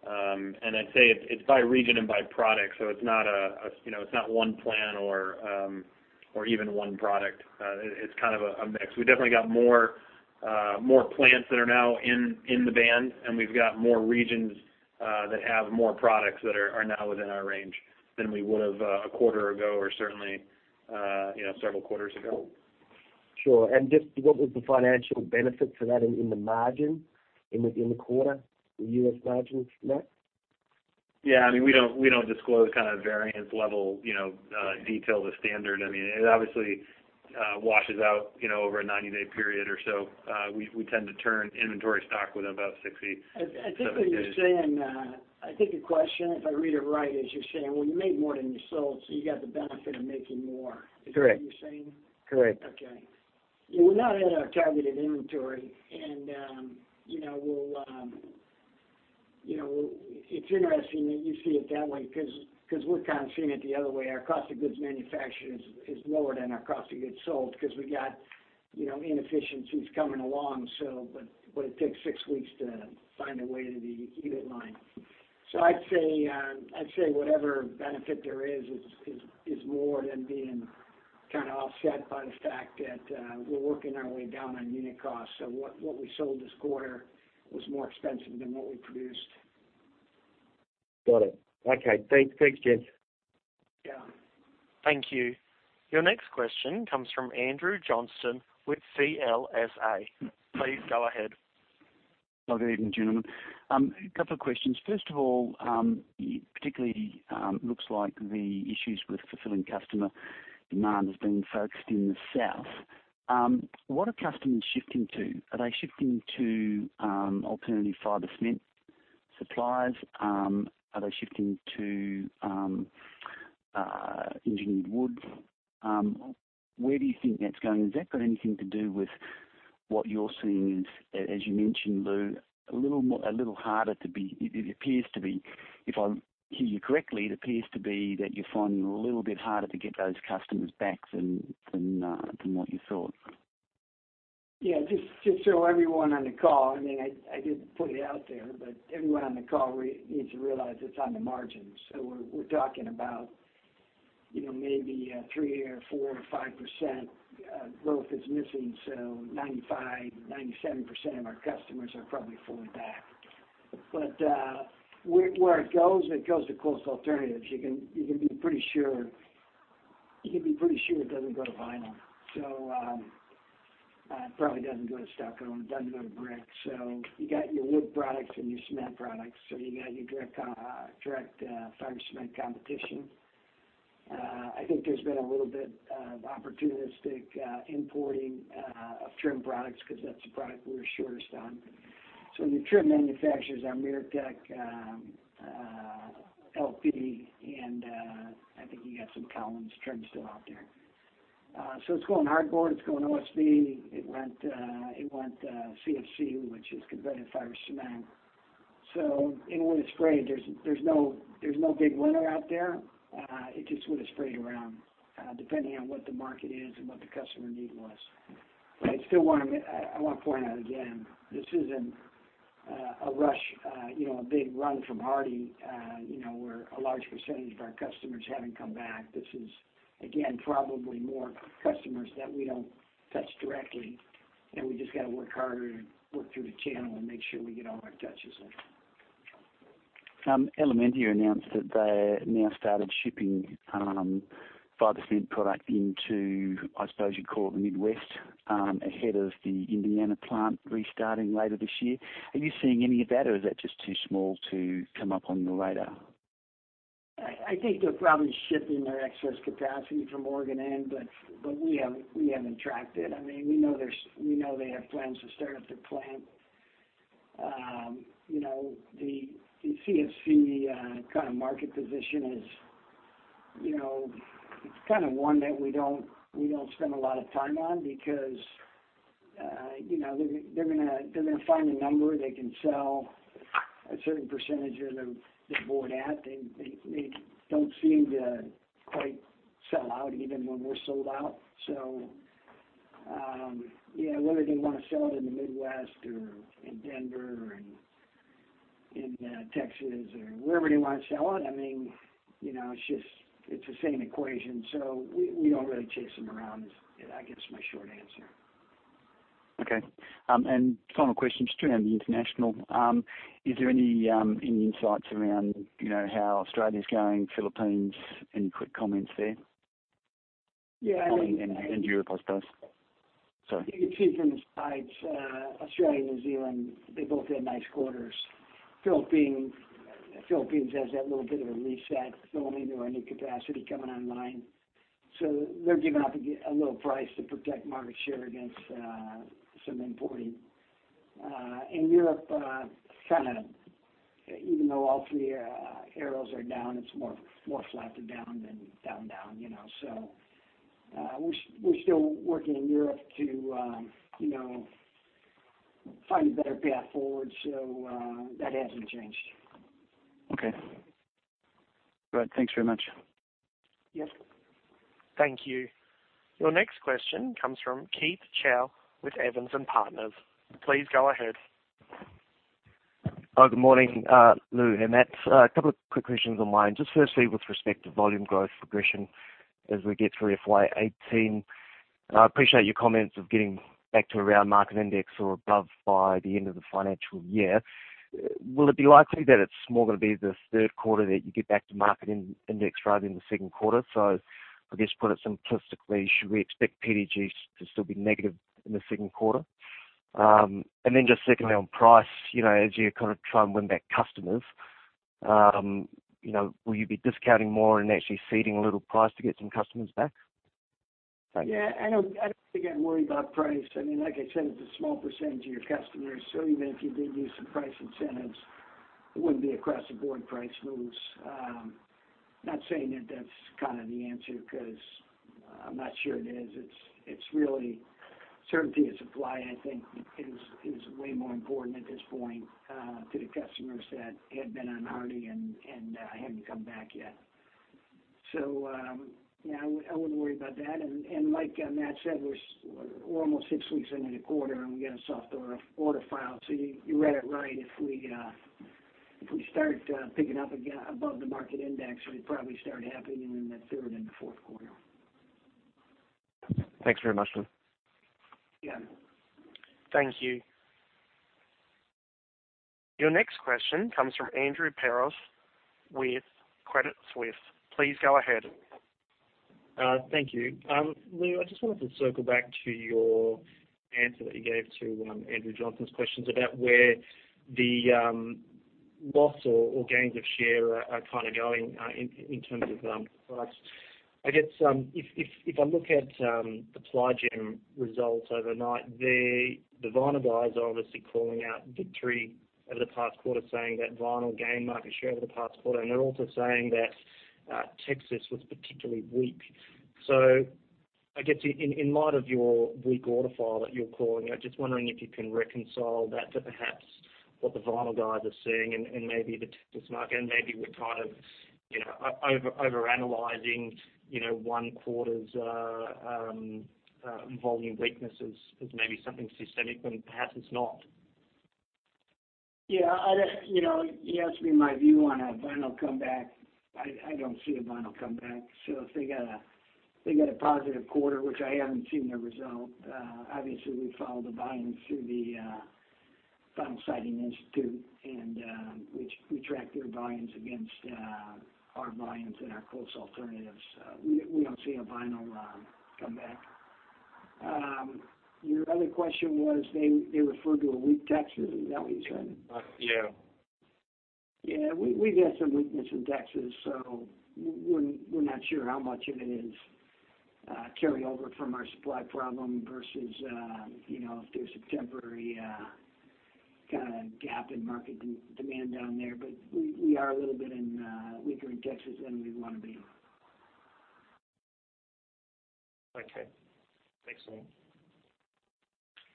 And I'd say it's by region and by product, so it's not a, you know, it's not one plan or even one product. It's kind of a mix. We definitely got more plants that are now in the band, and we've got more regions that have more products that are now within our range than we would've a quarter ago, or certainly, you know, several quarters ago. Sure. And just what was the financial benefit to that in the margin in the quarter, the U.S. margins, Matt? Yeah, I mean, we don't disclose kind of variance level, you know, detail to standard. I mean, it obviously washes out, you know, over a 90-day period or so. We tend to turn inventory stock with about 60, 70 days. I think what you're saying, I think the question, if I read it right, is you're saying, well, you made more than you sold, so you got the benefit of making more. Correct. Is that what you're saying? Correct. Okay. Yeah, we're not at our targeted inventory, and you know, we'll you know, it's interesting that you see it that way, 'cause we're kind of seeing it the other way. Our cost of goods manufactured is lower than our cost of goods sold, 'cause we got you know, inefficiencies coming along, so but it takes six weeks to find a way to the unit line. So I'd say I'd say whatever benefit there is is more than being kind of offset by the fact that we're working our way down on unit costs. So what we sold this quarter was more expensive than what we produced. Got it. Okay, thanks. Thanks, Jim. Yeah. Thank you. Your next question comes from Andrew Johnson with CLSA. Please go ahead. Good evening, gentlemen. A couple of questions. First of all, particularly, looks like the issues with fulfilling customer demand has been focused in the South. What are customers shifting to? Are they shifting to alternative fiber cement suppliers? Are they shifting to engineered wood? Where do you think that's going? Has that got anything to do with what you're seeing, as you mentioned, Lou, a little harder? It appears to be, if I hear you correctly, it appears to be that you're finding it a little bit harder to get those customers back than what you thought. Yeah, just so everyone on the call, I mean, I did put it out there, but everyone on the call needs to realize it's on the margins. So we're talking about, you know, maybe 3% or 4% or 5% growth is missing. So 95%, 97% of our customers are probably fully back. But where it goes, it goes to close alternatives. You can be pretty sure it doesn't go to vinyl. So it probably doesn't go to stucco, it doesn't go to brick. So you got your wood products and your cement products, so you got your direct fiber cement competition. I think there's been a little bit of opportunistic importing of trim products, because that's the product we're shortest on. So the trim manufacturers are MiraTEC, LP, and I think you got some Collins trim still out there. So it's going hardboard, it's going OSB, it went CFC, which is converted fiber cement. So it would have sprayed. There's no big winner out there. It just would have sprayed around, depending on what the market is and what the customer need was. But I still wanna I, I want to point out again, this isn't a rush, you know, a big run from Hardie. You know, where a large percentage of our customers haven't come back. This is, again, probably more customers that we don't touch directly, and we just got to work harder and work through the channel and make sure we get all our touches in. Elementia announced that they now started shipping, fiber cement product into, I suppose you'd call it the Midwest, ahead of the Indiana plant restarting later this year. Are you seeing any of that, or is that just too small to come up on your radar? I think they're probably shipping their excess capacity from Oregon end, but we haven't tracked it. I mean, we know they have plans to start up the plant. You know, the CFC kind of market position is, you know, it's kind of one that we don't spend a lot of time on because, you know, they're gonna find a number they can sell a certain percentage of their board at. They don't seem to quite sell out even when we're sold out. So, yeah, whether they want to sell it in the Midwest or in Denver or in Texas or wherever they want to sell it, I mean, you know, it's just the same equation, so we don't really chase them around. That's, I guess, my short answer. Okay. And final question, just around the international. Is there any insights around, you know, how Australia is going, Philippines? Any quick comments there? Yeah- Europe, I suppose. Sorry. You can see from the slides, Australia and New Zealand, they both had nice quarters. Philippines has that little bit of a reset, don't do any capacity coming online. So they're giving up a little price to protect market share against some importing. In Europe, kind of even though all three arrows are down, it's more flat to down than down down, you know. So we're still working in Europe to you know find a better path forward. So that hasn't changed. Okay. All right, thanks very much. Yes. Thank you. Your next question comes from Keith Chau with Evans and Partners. Please go ahead. Oh, good morning, Lou and Matt. A couple of quick questions on my end. Just firstly, with respect to volume growth progression as we get through FY eighteen. I appreciate your comments of getting back to around market index or above by the end of the financial year. Will it be likely that it's more going to be the third quarter that you get back to market index rather than the second quarter? So I guess, put it simplistically, should we expect PDG to still be negative in the second quarter? And then just secondly, on price, you know, as you kind of try and win back customers, you know, will you be discounting more and actually ceding a little price to get some customers back? Yeah, I don't think I'm worried about price. I mean, like I said, it's a small percentage of your customers, so even if you did use some price incentives, it wouldn't be across the board price moves. Not saying that that's kind of the answer, because I'm not sure it is. It's really certainty of supply, I think is way more important at this point to the customers that had been on Hardie and haven't come back yet. So, yeah, I wouldn't worry about that. And like Matt said, we're almost six weeks into the quarter, and we got a soft order file, so you read it right. If we If we start picking up again above the market index, we'd probably start having it in the third and the fourth quarter. Thanks very much, Lou. Yeah. Thank you. Your next question comes from Andrew Peros with Credit Suisse. Please go ahead. Thank you. Lou, I just wanted to circle back to your answer that you gave to Andrew Johnson's questions about where the loss or gains of share are kind of going in terms of price. I guess if I look at the Ply Gem results overnight, the vinyl guys are obviously calling out victory over the past quarter, saying that vinyl gained market share over the past quarter, and they're also saying that Texas was particularly weak. So I guess, in light of your weak order file that you're calling out, just wondering if you can reconcile that to perhaps what the vinyl guys are seeing and maybe the Texas market, and maybe we're kind of, you know, overanalyzing, you know, one quarter's volume weaknesses as maybe something systemic when perhaps it's not. Yeah, I, you know, you asked me my view on a vinyl comeback. I don't see a vinyl comeback. So if they got a positive quarter, which I haven't seen the result, obviously, we follow the volumes through the Vinyl Siding Institute, and we track their volumes against our volumes and our close alternatives. We don't see a vinyl comeback. Your other question was, they referred to a weak Texas. Is that what you said? Yeah. Yeah, we've had some weakness in Texas, so we're not sure how much of it is carryover from our supply problem versus, you know, if there's a temporary kind of gap in market demand down there. But we are a little bit weaker in Texas than we'd want to be. Okay. Thanks a lot.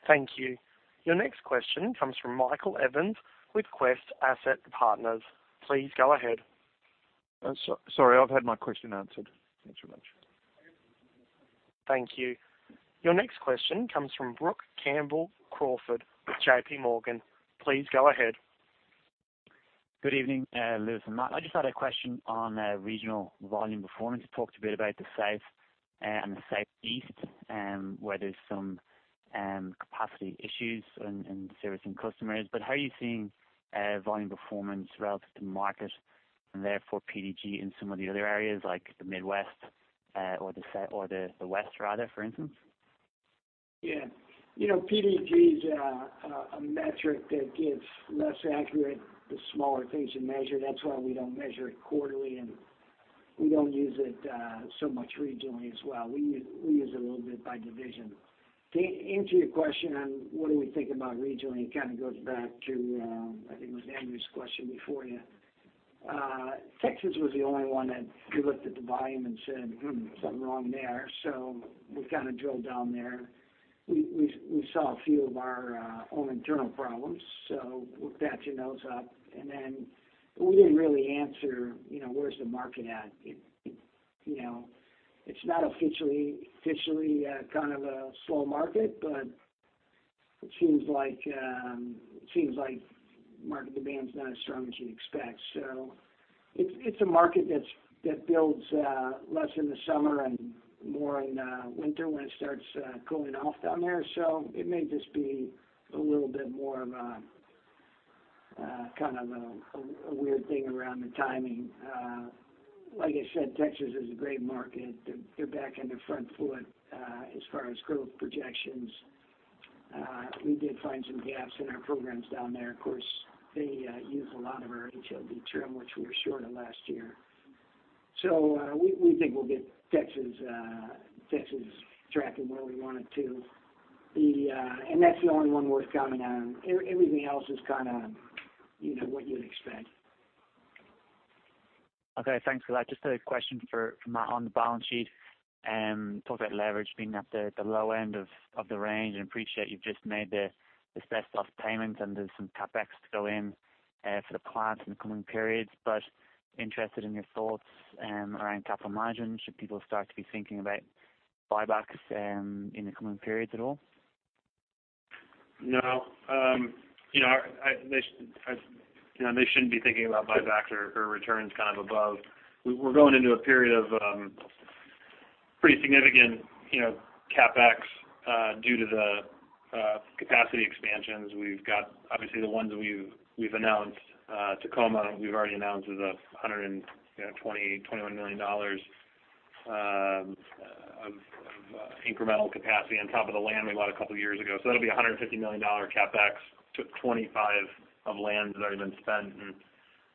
Thank you. Your next question comes from Michael Evans with Quest Asset Partners. Please go ahead. Sorry, I've had my question answered. Thanks very much. Thank you. Your next question comes from Brook Campbell-Crawford with J.P. Morgan. Please go ahead. Good evening, Lou and Matt. I just had a question on regional volume performance. You talked a bit about the South and the Southeast, where there's some capacity issues in servicing customers. But how are you seeing volume performance relative to market, and therefore PDG in some of the other areas like the Midwest, or the South or the West, rather, for instance? Yeah. You know, PDG is a metric that gets less accurate, the smaller things you measure. That's why we don't measure it quarterly, and we don't use it so much regionally as well. We use it a little bit by division. To answer your question on what do we think about regionally, it kind of goes back to, I think it was Andrew's question before you. Texas was the only one that we looked at the volume and said, "Hmm, something wrong there." So we kind of drilled down there. We saw a few of our own internal problems, so we're patching those up. And then we didn't really answer, you know, where's the market at? You know, it's not officially kind of a slow market, but it seems like market demand's not as strong as you'd expect. So it's a market that builds less in the summer and more in winter when it starts cooling off down there. So it may just be a little bit more of a kind of a weird thing around the timing. Like I said, Texas is a great market. They're back on the front foot as far as growth projections. We did find some gaps in our programs down there. Of course, they use a lot of our XLD trim, which we were short of last year. So we think we'll get Texas tracking where we want it to. The and that's the only one worth commenting on. Everything else is kind of, you know, what you'd expect. Okay, thanks for that. Just a question for Matt on the balance sheet. Talked about leverage being at the low end of the range, and appreciate you've just made the debt payments, and there's some CapEx to go in for the plants in the coming periods. But interested in your thoughts around capital allocation. Should people start to be thinking about buybacks in the coming periods at all? No. You know, they shouldn't be thinking about buybacks or returns kind of above. We're going into a period of pretty significant, you know, CapEx due to the capacity expansions. We've got, obviously, the ones we've announced. Tacoma, we've already announced, is $121 million of incremental capacity on top of the land we bought a couple years ago. So that'll be $150 million CapEx to $25 million of land that's already been spent, and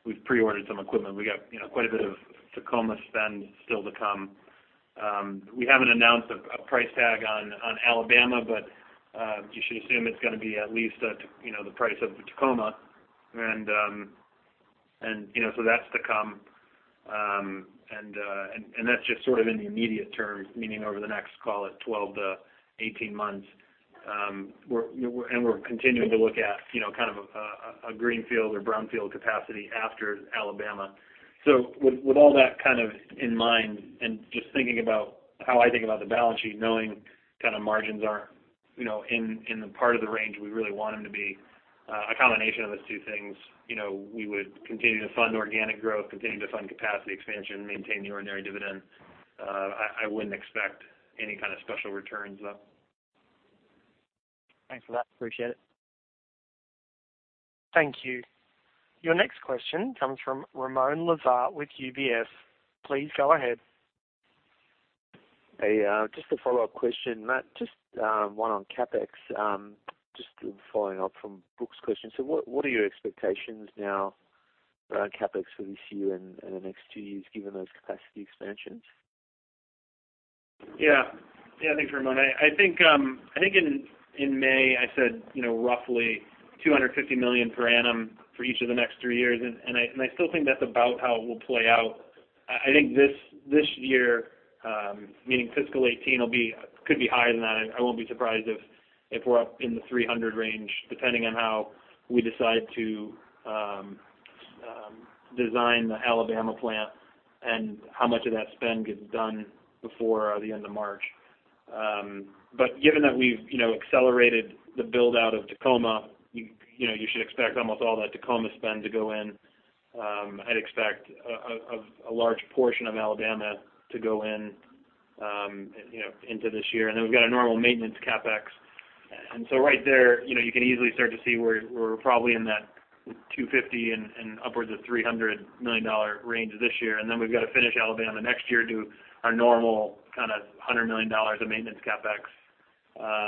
we've pre-ordered some equipment. We got, you know, quite a bit of Tacoma spend still to come. We haven't announced a price tag on Alabama, but you should assume it's gonna be at least, you know, the price of the Tacoma. That's to come. That's just sort of in the immediate term, meaning over the next, call it, 12-18 months. We're continuing to look at, you know, kind of a greenfield or brownfield capacity after Alabama. With all that kind of in mind and just thinking about how I think about the balance sheet, knowing kind of margins are, you know, in the part of the range we really want them to be, a combination of those two things. You know, we would continue to fund organic growth, continue to fund capacity expansion, maintain the ordinary dividend. I wouldn't expect any kind of special returns, though. Thanks for that. Appreciate it. Thank you. Your next question comes from Ramon Laviña with UBS. Please go ahead. Hey, just a follow-up question, Matt. Just one on CapEx. Just following up from Brooke's question. So what are your expectations now around CapEx for this year and the next two years, given those capacity expansions? Yeah. Yeah, thanks, Ramon. I think in May, I said, you know, roughly $250 million per annum for each of the next three years, and I still think that's about how it will play out. I think this year, meaning fiscal 2018, could be higher than that. I won't be surprised if we're up in the $300 range, depending on how we decide to design the Alabama plant and how much of that spend gets done before the end of March. But given that we've, you know, accelerated the build-out of Tacoma, you know, you should expect almost all that Tacoma spend to go in. I'd expect a large portion of Alabama to go in, you know, into this year. And then we've got a normal maintenance CapEx. And so right there, you know, you can easily start to see we're probably in that $250-$300 million range this year. And then we've got to finish Alabama next year, do our normal kind of $100 million of maintenance CapEx.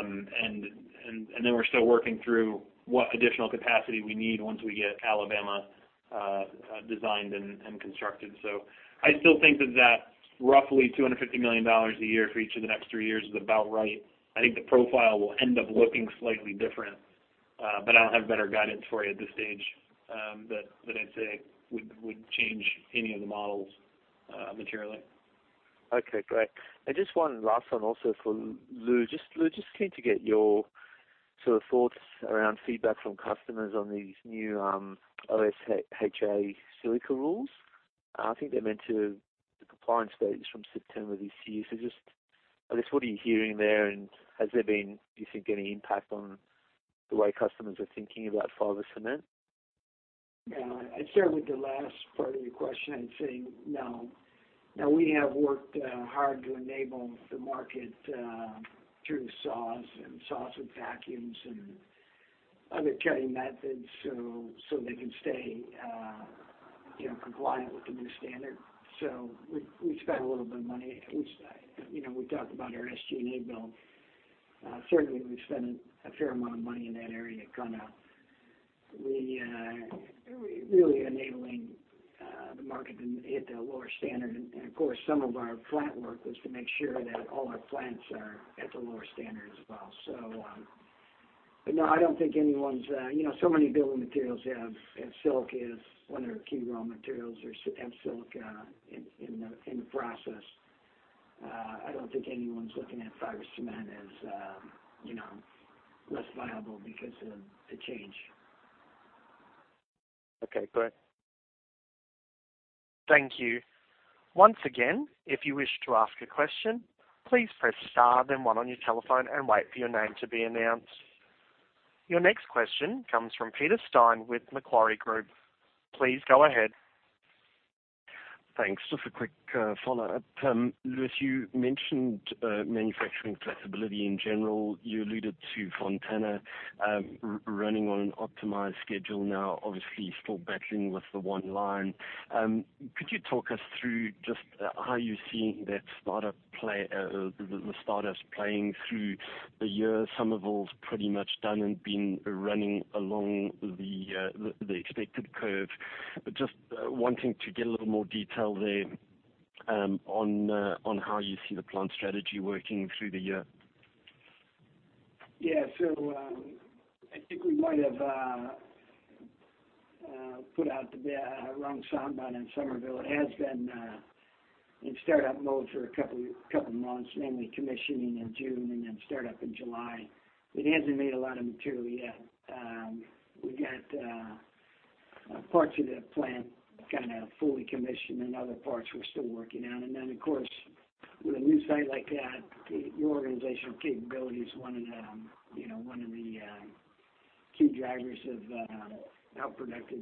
And then we're still working through what additional capacity we need once we get Alabama designed and constructed. So I still think that roughly $250 million a year for each of the next three years is about right. I think the profile will end up looking slightly different, but I don't have better guidance for you at this stage, but that I'd say would change any of the models materially. Okay, great, and just one last one also for Lou. Just, Lou, just keen to get your sort of thoughts around feedback from customers on these new OSHA silica rules. I think they're meant to, the compliance date is from September this year, so just, I guess, what are you hearing there, and has there been, do you think, any impact on the way customers are thinking about fiber cement? Yeah. I'd start with the last part of your question and say, no. Now, we have worked hard to enable the market through saws with vacuums and other cutting methods so they can stay, you know, compliant with the new standard. So we spent a little bit of money, which, you know, we talked about our SG&A bill. Certainly we've spent a fair amount of money in that area to kind of really enabling the market to hit the lower standard. And, of course, some of our plant work was to make sure that all our plants are at the lower standard as well. So, but no, I don't think anyone's... You know, so many building materials have silica, is one of the key raw materials or have silica in the process. I don't think anyone's looking at fiber cement as, you know, less viable because of the change. Okay, great. Thank you. Once again, if you wish to ask a question, please press star, then one on your telephone, and wait for your name to be announced. Your next question comes from Peter Steyn with Macquarie Group. Please go ahead. Thanks. Just a quick follow-up. Louis, you mentioned manufacturing flexibility in general. You alluded to Fontana running on an optimized schedule now, obviously still battling with the one line. Could you talk us through just how you're seeing that startup play, the startups playing through the year? Summerville's pretty much done and been running along the expected curve. But just wanting to get a little more detail there, on how you see the plant strategy working through the year. Yeah. So, I think we might have put out the wrong sound bite on Summerville. It has been in startup mode for a couple of months, mainly commissioning in June and then startup in July. It hasn't made a lot of material yet. We got parts of the plant kind of fully commissioned and other parts we're still working on. And then, of course, with a new site like that, the organizational capability is one of the key drivers of how productive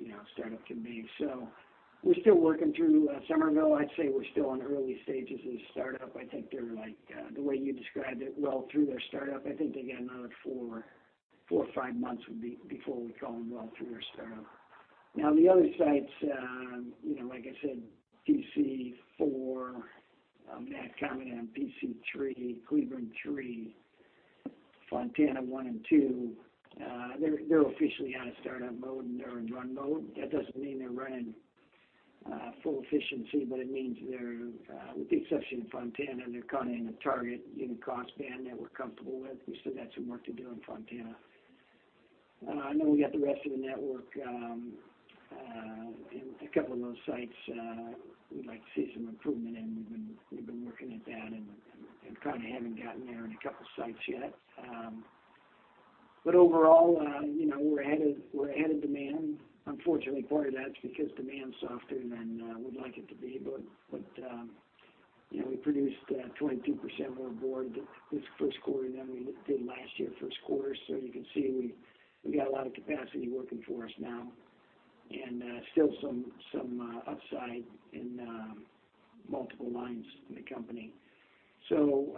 you know, startup can be. So we're still working through Summerville. I'd say we're still in the early stages of the startup. I think they're like the way you described it, well through their startup. I think they get another four or five months before we call them well through their startup. Now, the other sites, you know, like I said, PC four, Natchez, PC three, Cleburne three, Fontana one and two, they're officially out of startup mode, and they're in run mode. That doesn't mean they're running full efficiency, but it means they're, with the exception of Fontana, kind of in a target unit cost band that we're comfortable with. We still got some work to do in Fontana. And then we got the rest of the network, and a couple of those sites, we'd like to see some improvement, and we've been working at that and kind of haven't gotten there in a couple of sites yet. But overall, you know, we're ahead of, we're ahead of demand. Unfortunately, part of that's because demand's softer than we'd like it to be. But, you know, we produced 22% more board this first quarter than we did last year, first quarter. So you can see, we got a lot of capacity working for us now, and still some upside in multiple lines in the company. So,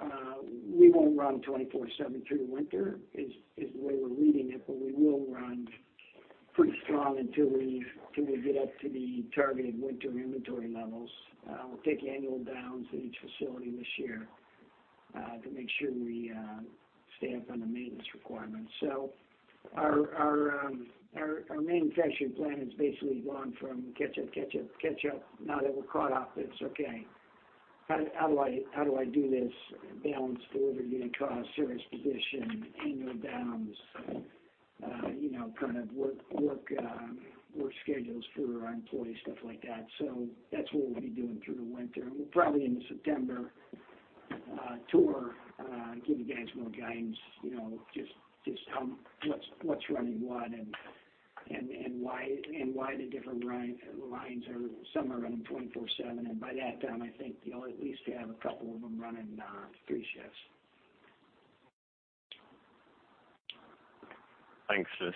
we won't run 24/7 through the winter, is the way we're reading it, but we will run pretty strong until we till we get up to the targeted winter inventory levels. We'll take annual downs in each facility this year, to make sure we stay up on the maintenance requirements. So our manufacturing plan has basically gone from catch up, catch up, catch up. Now that we're caught up, it's okay. How do I do this balance forward in cost, service position, annual downs, you know, kind of work schedules for our employees, stuff like that. So that's what we'll be doing through the winter. And we'll probably in the September tour give you guys more guidance, you know, just how what's running what and why, and why the different lines are, some are running twenty four/seven. And by that time, I think, you know, at least you have a couple of them running three shifts. Thanks, Chris.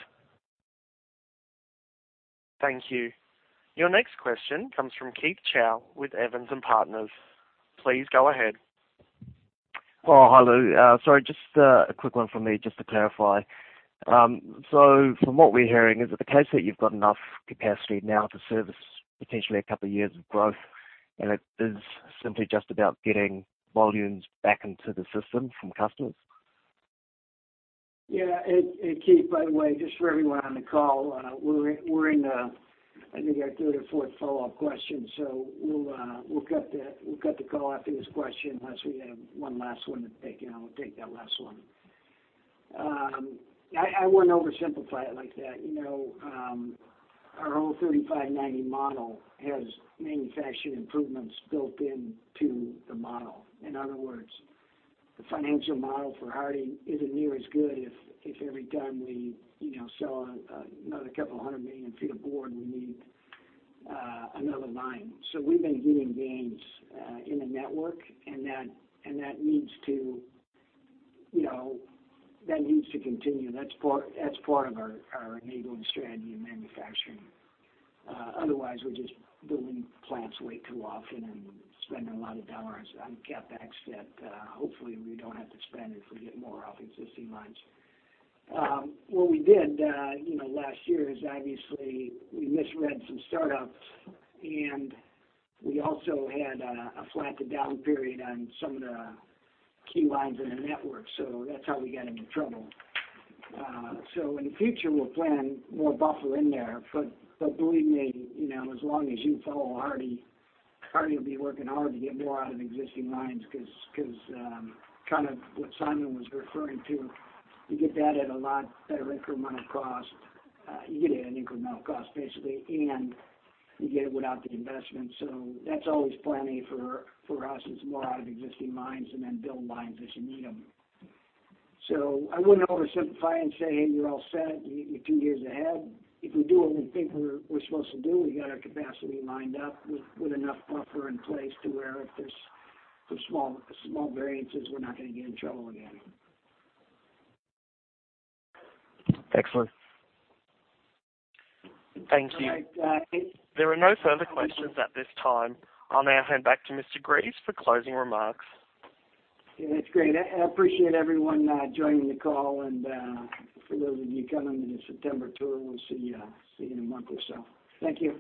Thank you. Your next question comes from Keith Chau with Evans and Partners. Please go ahead. Oh, hi, Lou. Sorry, just a quick one from me, just to clarify. So from what we're hearing, is it the case that you've got enough capacity now to service potentially a couple of years of growth, and it is simply just about getting volumes back into the system from customers? Yeah, and Keith, by the way, just for everyone on the call, we're in I think our third or fourth follow-up question. So we'll cut the call after this question, unless we have one last one to take, and I'll take that last one. I wouldn't oversimplify it like that. You know, our old thirty-five, ninety model has manufacturing improvements built into the model. In other words, the financial model for Hardie isn't near as good if every time we, you know, sell another couple hundred million feet of board, we need another line. So we've been getting gains in the network, and that needs to continue. That's part of our enabling strategy in manufacturing. Otherwise, we're just building plants way too often and spending a lot of dollars on CapEx that, hopefully we don't have to spend if we get more out of existing lines. What we did, you know, last year is obviously we misread some startups, and we also had a flat to down period on some of the key lines in the network. So that's how we got into trouble. So in the future, we'll plan more buffer in there. But believe me, you know, as long as you follow Hardie, Hardie will be working hard to get more out of existing lines because, kind of what Simon was referring to, you get that at a lot better incremental cost. You get it at an incremental cost, basically, and you get it without the investment. So that's always plenty for us is more out of existing lines and then build lines as you need them. So I wouldn't oversimplify and say, "Hey, you're all set. You're two years ahead." If we do what we think we're supposed to do, we got our capacity lined up with enough buffer in place to where if there's some small variances, we're not going to get in trouble again. Excellent.Thank you. All right. There are no further questions at this time. I'll now hand back to Mr. Gries for closing remarks. Yeah, that's great. I appreciate everyone joining the call, and for those of you coming to the September tour, we'll see you in a month or so. Thank you.